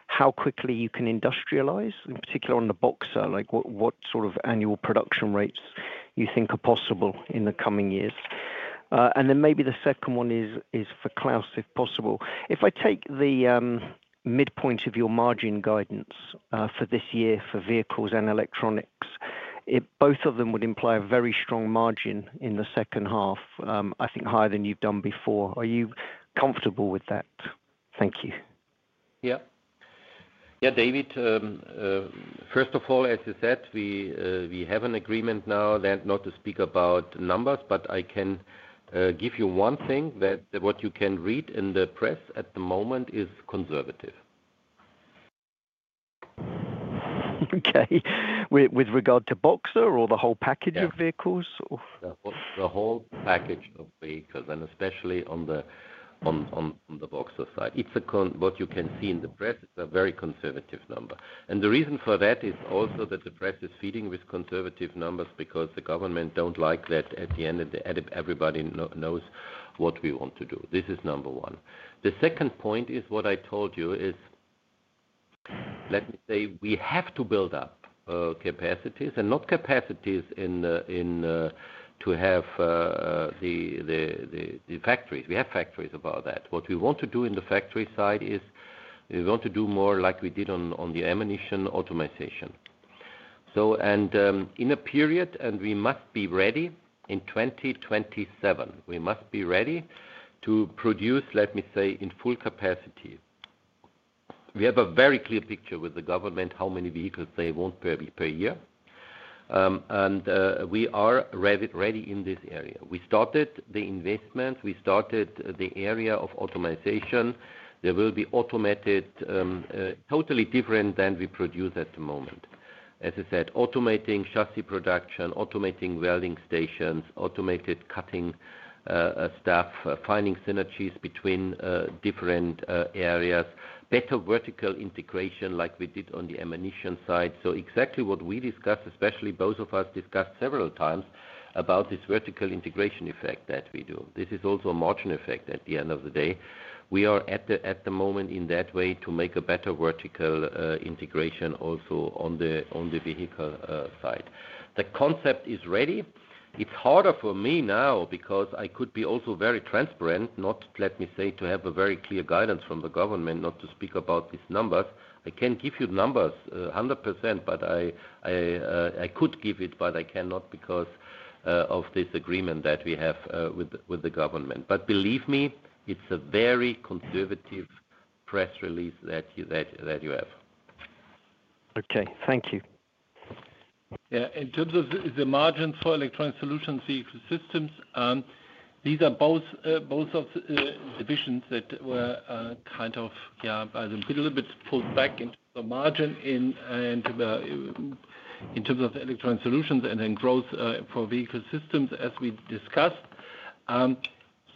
how quickly you can industrialize, in particular on the Boxer, like what sort of annual production rates you think are possible in the coming years. The second one is for Klaus, if possible. If I take the midpoint of your margin guidance for this year for vehicles and electronics, both of them would imply a very strong margin in the second half. I think higher than you've done before. Are you comfortable with that? Thank you. Yeah, David. First of all, as you said, we have an agreement now not to speak about the numbers, but I can give you one thing that what you can read in the press at the moment is conservative. Okay. With regard to Boxer or the whole package of vehicles? The whole package of vehicles, and especially on the Boxer side. It's what you can see in the press, it's a very conservative number. The reason for that is also that the press is feeding with conservative numbers because the government doesn't like that at the end, and everybody knows what we want to do. This is number one. The second point is what I told you is, let me say, we have to build up capacities and not capacities to have the factories. We have factories about that. What we want to do on the factory side is we want to do more like we did on the ammunition optimization. In a period, and we must be ready in 2027, we must be ready to produce, let me say, in full capacity. We have a very clear picture with the government how many vehicles they want per year, and we are ready in this area. We started the investments. We started the area of optimization. There will be automated, totally different than before. Good At the moment, as I said, automating chassis production, automating welding stations, automated cutting, finding synergies between different areas, better vertical integration like we did on the ammunition side. Exactly what we discussed, especially both of us discussed several times about this vertical integration effect that we do. This is also a margin effect at the end of the day. We are at the moment in that way to make a better vertical integration also on the vehicle side. The concept is ready. It's harder for me now because I could be also very transparent, not let me say to have a very clear guidance from the government, not to speak about these numbers. I can give you the numbers, 100%, but I could give it, but I cannot because of this agreement that we have with the government. Believe me, it's a very conservative press release that you have. Okay. Thank you. In terms of the margin for electronic solutions, vehicle systems, these are both divisions that were a little bit pulled back into the margin in, and in terms of electronic solutions and then growth for vehicle systems as we discussed.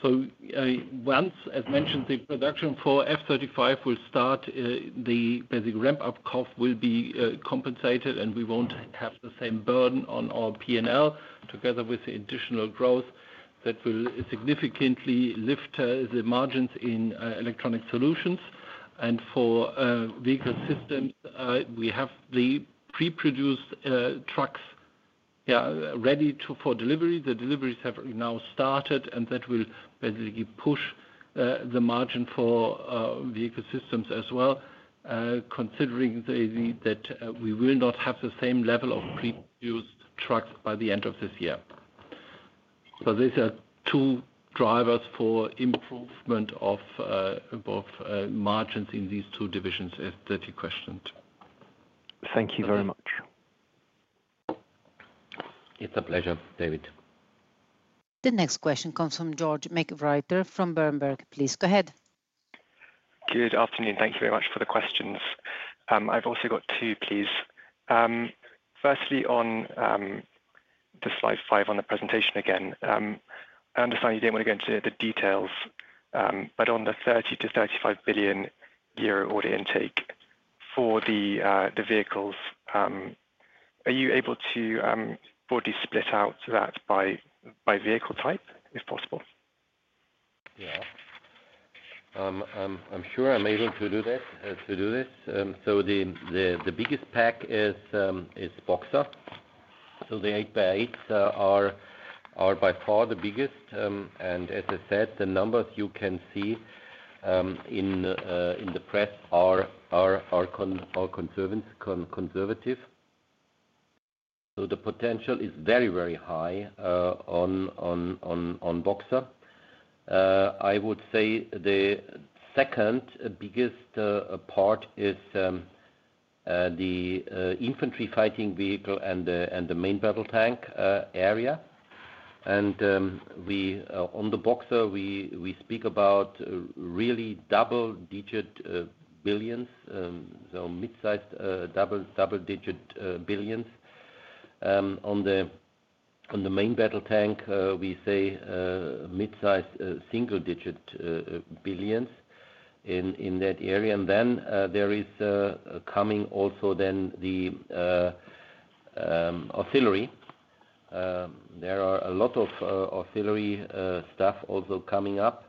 Once, as mentioned, the production for F-35 will start, the basic ramp-up cost will be compensated, and we won't have the same burden on our P&L together with the additional growth that will significantly lift the margins in electronic solutions. For vehicle systems, we have the pre-produced trucks ready for delivery. The deliveries have now started, and that will basically push the margin for vehicle systems as well, considering that we will not have the same level of pre-produced trucks by the end of this year. These are two drivers for improvement of both margins in these two divisions that you questioned. Thank you very much. It's a pleasure, David. The next question comes from George McWhirter from Berenberg. Please go ahead. Good afternoon. Thank you very much for the questions. I've also got two, please. Firstly, on the slide five on the presentation again, I understand you don't want to go into the details, but on the 30 million-35 billion euro order intake for the vehicles, are you able to broadly split out that by vehicle type, if possible? Yeah. I'm sure I'm able to do that, to do this. The biggest pack is the Boxer. The 8x8s are by far the biggest. As I said, the numbers you can see in the press are conservative. The potential is very, very high on Boxer. I would say the second biggest part is the infantry fighting vehicle and the main battle tank area. On the Boxer, we speak about really double-digit billions, so mid-sized double-digit billions. On the main battle tank, we say mid-sized single-digit billions in that area. There is also the artillery. There are a lot of artillery items also coming up.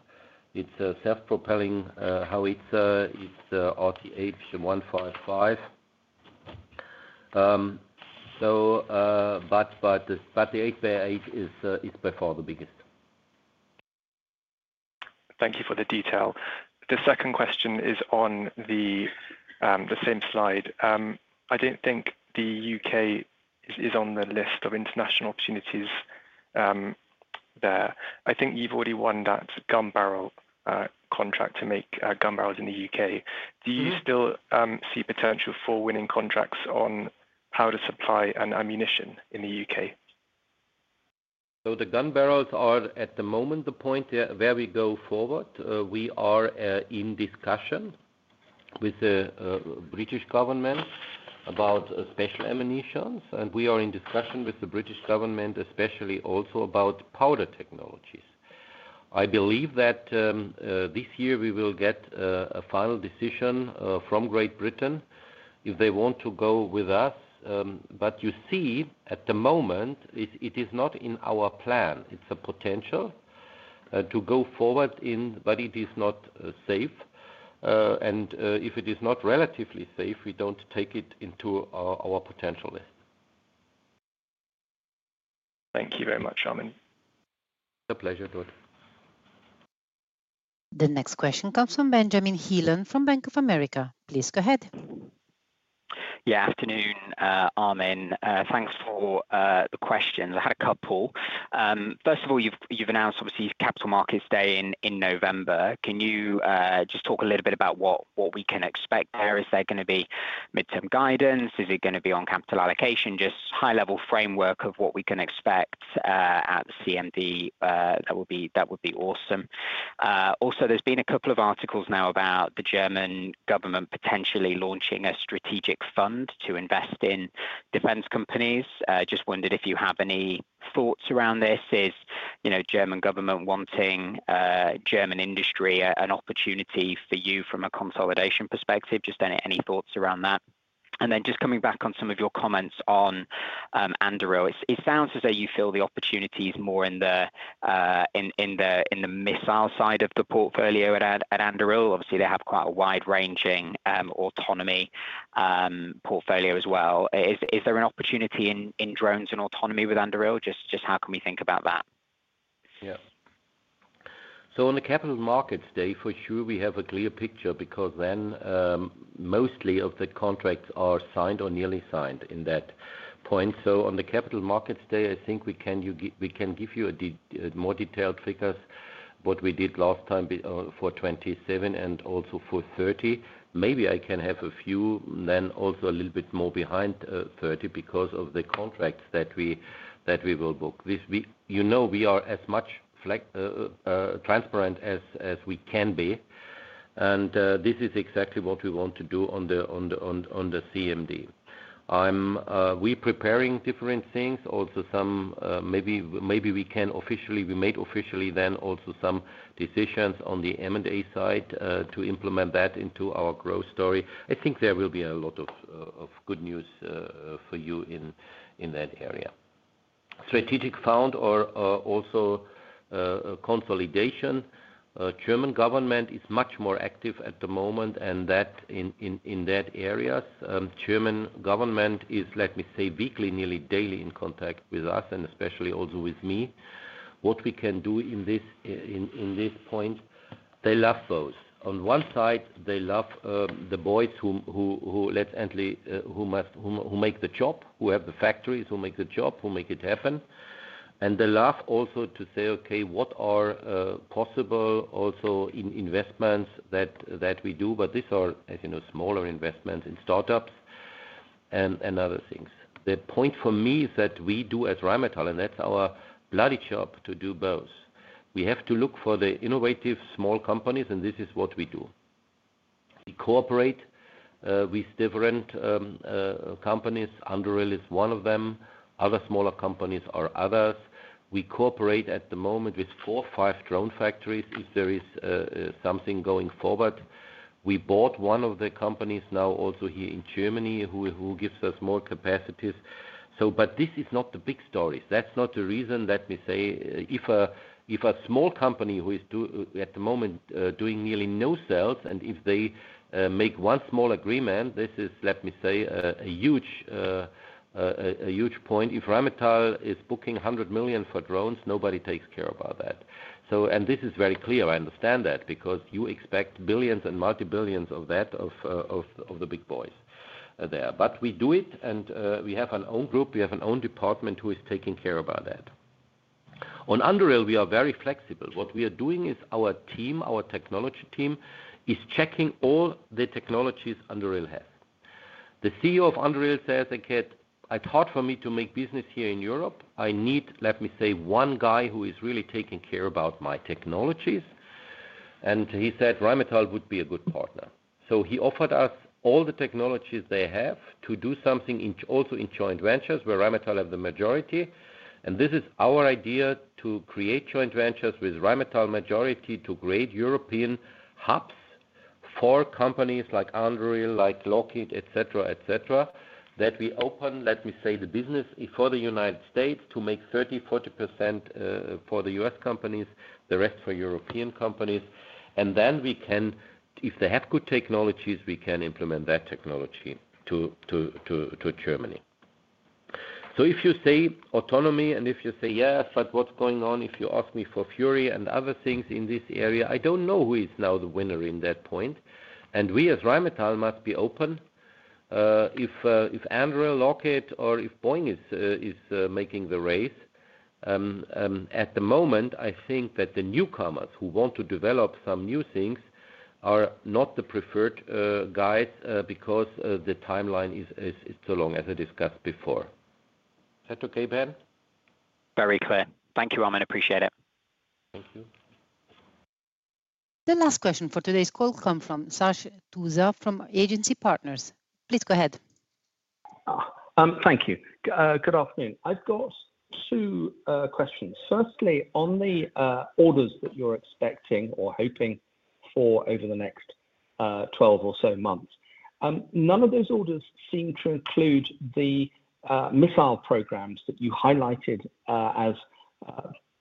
It's a self-propelling howitzer, it's the RCH 155. The 8x8 is by far the biggest. Thank you for the detail. The second question is on the same slide. I don't think the U.K. is on the list of international opportunities there. I think you've already won that gun barrel contract to make gun barrels in the U.K. Do you still see potential for winning contracts on how to supply ammunition in the U.K.? The gun barrels are at the moment the point where we go forward. We are in discussion with the British government about special ammunitions, and we are in discussion with the British government, especially also about powder technologies. I believe that this year we will get a final decision from Great Britain if they want to go with us. You see, at the moment, it is not in our plan. It's a potential to go forward in, but it is not safe. If it is not relatively safe, we don't take it into our potential there. Thank you very much, Armin. A pleasure, George. The next question comes from Benjamin Heelan from Bank of America. Please go ahead. Yeah. Afternoon, Armin. Thanks for the questions. I had a couple. First of all, you've announced, obviously, Capital Markets Day in November. Can you just talk a little bit about what we can expect there? Is there going to be midterm guidance? Is it going to be on capital allocation? Just high-level framework of what we can expect at CMD, that would be awesome. Also, there's been a couple of articles now about the German government potentially launching a strategic fund to invest in defense companies. I just wondered if you have any thoughts around this. Is the German government wanting German industry an opportunity for you from a consolidation perspective? Just any thoughts around that? Just coming back on some of your comments on Anduril. It sounds as though you feel the opportunity is more in the missile side of the portfolio at Anduril. Obviously, they have quite a wide-ranging autonomy portfolio as well. Is there an opportunity in drones and autonomy with Anduril? Just how can we think about that? Yeah. On the Capital Markets Day, for sure, we have a clear picture because then, mostly of the contracts are signed or nearly signed at that point. On the Capital Markets Day, I think we can give you a more detailed figure, what we did last time for 2027 and also for 2030. Maybe I can have a few, then also a little bit more behind 2030 because of the contracts that we will book. You know, we are as much transparent as we can be. This is exactly what we want to do on the CMD. We're preparing different things. Also, maybe we can officially, we made officially then also some decisions on the M&A side to implement that into our growth story. I think there will be a lot of good news for you in that area. Strategic fund or also consolidation. German government is much more active at the moment, and in that area, German government is, let me say, weekly, nearly daily in contact with us and especially also with me. What we can do in this point, they love those. On one side, they love the boys who, who must, who make the job, who have the factories, who make the job, who make it happen. They love also to say, "Okay, what are possible also investments that we do?" These are, as you know, smaller investments in startups and other things. The point for me is that we do as Rheinmetall, and that's our bloody job to do both. We have to look for the innovative small companies, and this is what we do. We cooperate with different companies. Anduril is one of them. Other smaller companies are others. We cooperate at the moment with four or five drone factories if there is something going forward. We bought one of the companies now also here in Germany who gives us more capacities. This is not the big stories. That's not the reason, let me say, if a small company who is at the moment doing nearly no sales, and if they make one small agreement, this is, let me say, a huge point. If Rheinmetall is booking 100 million for drones, nobody takes care about that. This is very clear. I understand that because you expect billions and multi-billions of that of the big boys there. We do it, and we have our own group. We have our own department who is taking care of that. On Anduril, we are very flexible. What we are doing is our team, our technology team is checking all the technologies Anduril has. The CEO of Anduril says, "It's hard for me to make business here in Europe." I need, let me say, one guy who is really taking care about my technologies. He said, "Rheinmetall would be a good partner." He offered us all the technologies they have to do something also in joint ventures where Rheinmetall has the majority. This is our idea to create joint ventures with Rheinmetall majority to create European hubs for companies like Anduril, like Lockheed, etc., that we open, let me say, the business for the United States to make 30%, 40% for the U.S. companies, the rest for European companies. If they have good technologies, we can implement that technology to Germany. If you say autonomy and if you say, "Yes, but what's going on if you ask me for fury and other things in this area?" I don't know who is now the winner in that point. We as Rheinmetall must be open. If Anduril, Lockheed, or if Boeing is making the race, at the moment, I think that the newcomers who want to develop some new things are not the preferred guys because the timeline is too long, as I discussed before. Is that okay, Ben? Very clear. Thank you, Armin. Appreciate it. Thank you. The last question for today's call comes from Sash Tusa from Agency Partners. Please go ahead. Thank you. Good afternoon. I've got two questions. Firstly, on the orders that you're expecting or hoping for over the next 12 or so months, none of those orders seem to include the missile programs that you highlighted as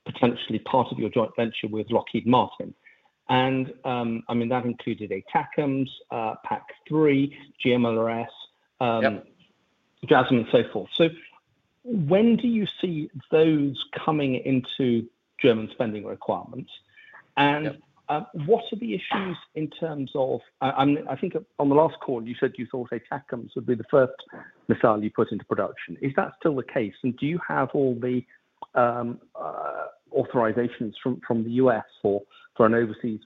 potentially part of your joint venture with Lockheed Martin. That included ATACMS, PAC-3, GMLRS, JAGM, and so forth. When do you see those coming into German spending requirements? What are the issues in terms of, I think on the last call, you said you thought ATACMS would be the first missile you put into production. Is that still the case? Do you have all the authorizations from the U.S. for an overseas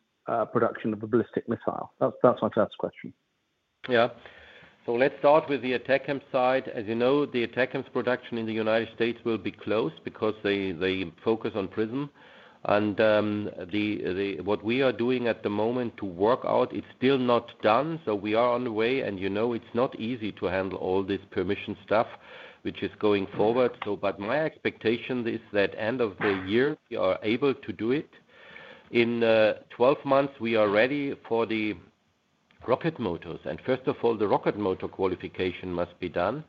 production of a ballistic missile? That's my first question. Yeah. Let's start with the ATACMS side. As you know, the ATACMS production in the United States will be closed because they focus on PRISM. What we are doing at the moment to work out, it's still not done. We are on the way. You know, it's not easy to handle all this permission stuff, which is going forward. My expectation is that end of the year, we are able to do it. In 12 months, we are ready for the rocket motors. First of all, the rocket motor qualification must be done.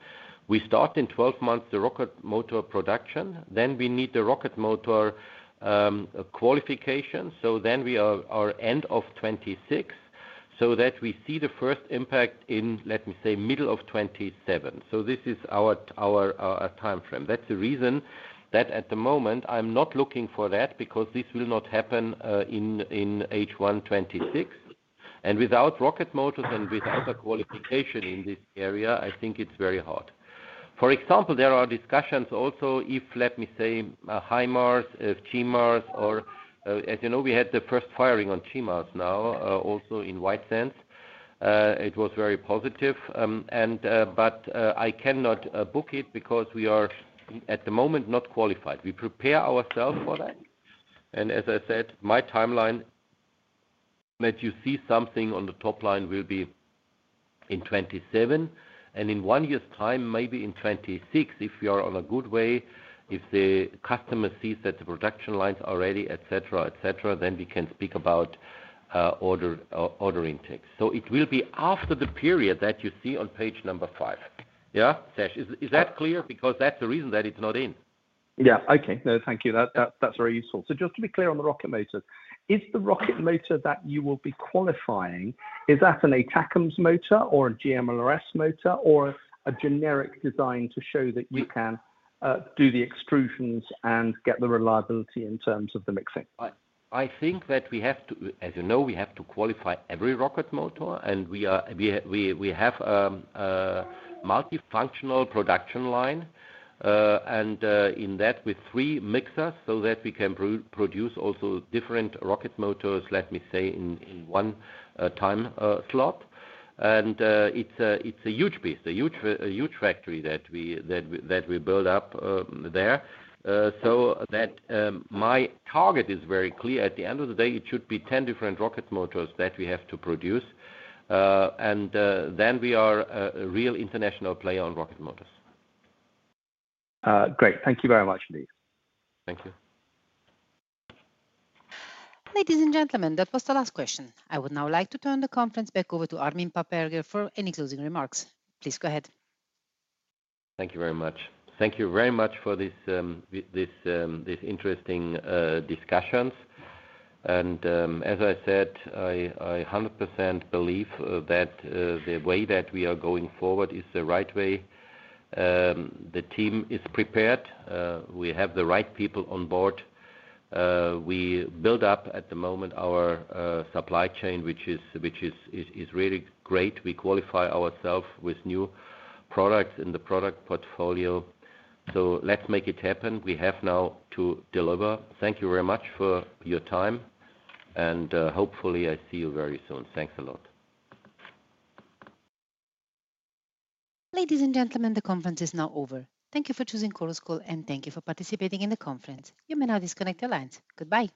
We start in 12 months the rocket motor production. Then we need the rocket motor qualification. We are end of 2026 so that we see the first impact in, let me say, middle of 2027. This is our timeframe. That's the reason that at the moment, I'm not looking for that because this will not happen in H1-2026. Without rocket motors and without a qualification in this area, I think it's very hard. For example, there are discussions also if, let me say, HIMARS, GMARS, or as you know, we had the first firing on GMARS now also in White Sands, it was very positive. I cannot book it because we are at the moment not qualified. We prepare ourselves for that. As I said, my timeline that you see something on the top line will be in 2027. In one year's time, maybe in 2026, if we are on a good way, if the customer sees that the production lines are ready, etc., etc., then we can speak about order intake. It will be after the period that you see on page number five. Yeah, Sash, is that clear? That's the reason that it's not in. Thank you. That's very useful. Just to be clear on the rocket motors, is the rocket motor that you will be qualifying an ATACMS motor or a GMLRS motor or a generic design to show that you can do the extrusions and get the reliability in terms of the mixing? I think that we have to, as you know, we have to qualify every rocket motor, and we have a multifunctional production line. In that, with three mixers, we can produce also different rocket motors, let me say, in one time slot. It is a huge piece, a huge factory that we build up there. My target is very clear. At the end of the day, it should be 10 different rocket motors that we have to produce. Then we are a real international player on rocket motors. Great, thank you very much indeed. Thank you. Ladies and gentlemen, that was the last question. I would now like to turn the conference back over to Armin Papperger for any closing remarks. Please go ahead. Thank you very much. Thank you very much for these interesting discussions. As I said, I 100% believe that the way that we are going forward is the right way. The team is prepared. We have the right people on board. We build up at the moment our supply chain, which is really great. We qualify ourselves with new products in the product portfolio. Let's make it happen. We have now to deliver. Thank you very much for your time. Hopefully, I see you very soon. Thanks a lot. Ladies and gentlemen, the conference is now over. Thank you for choosing Chorus Call, and thank you for participating in the conference. You may now disconnect the lines. Goodbye.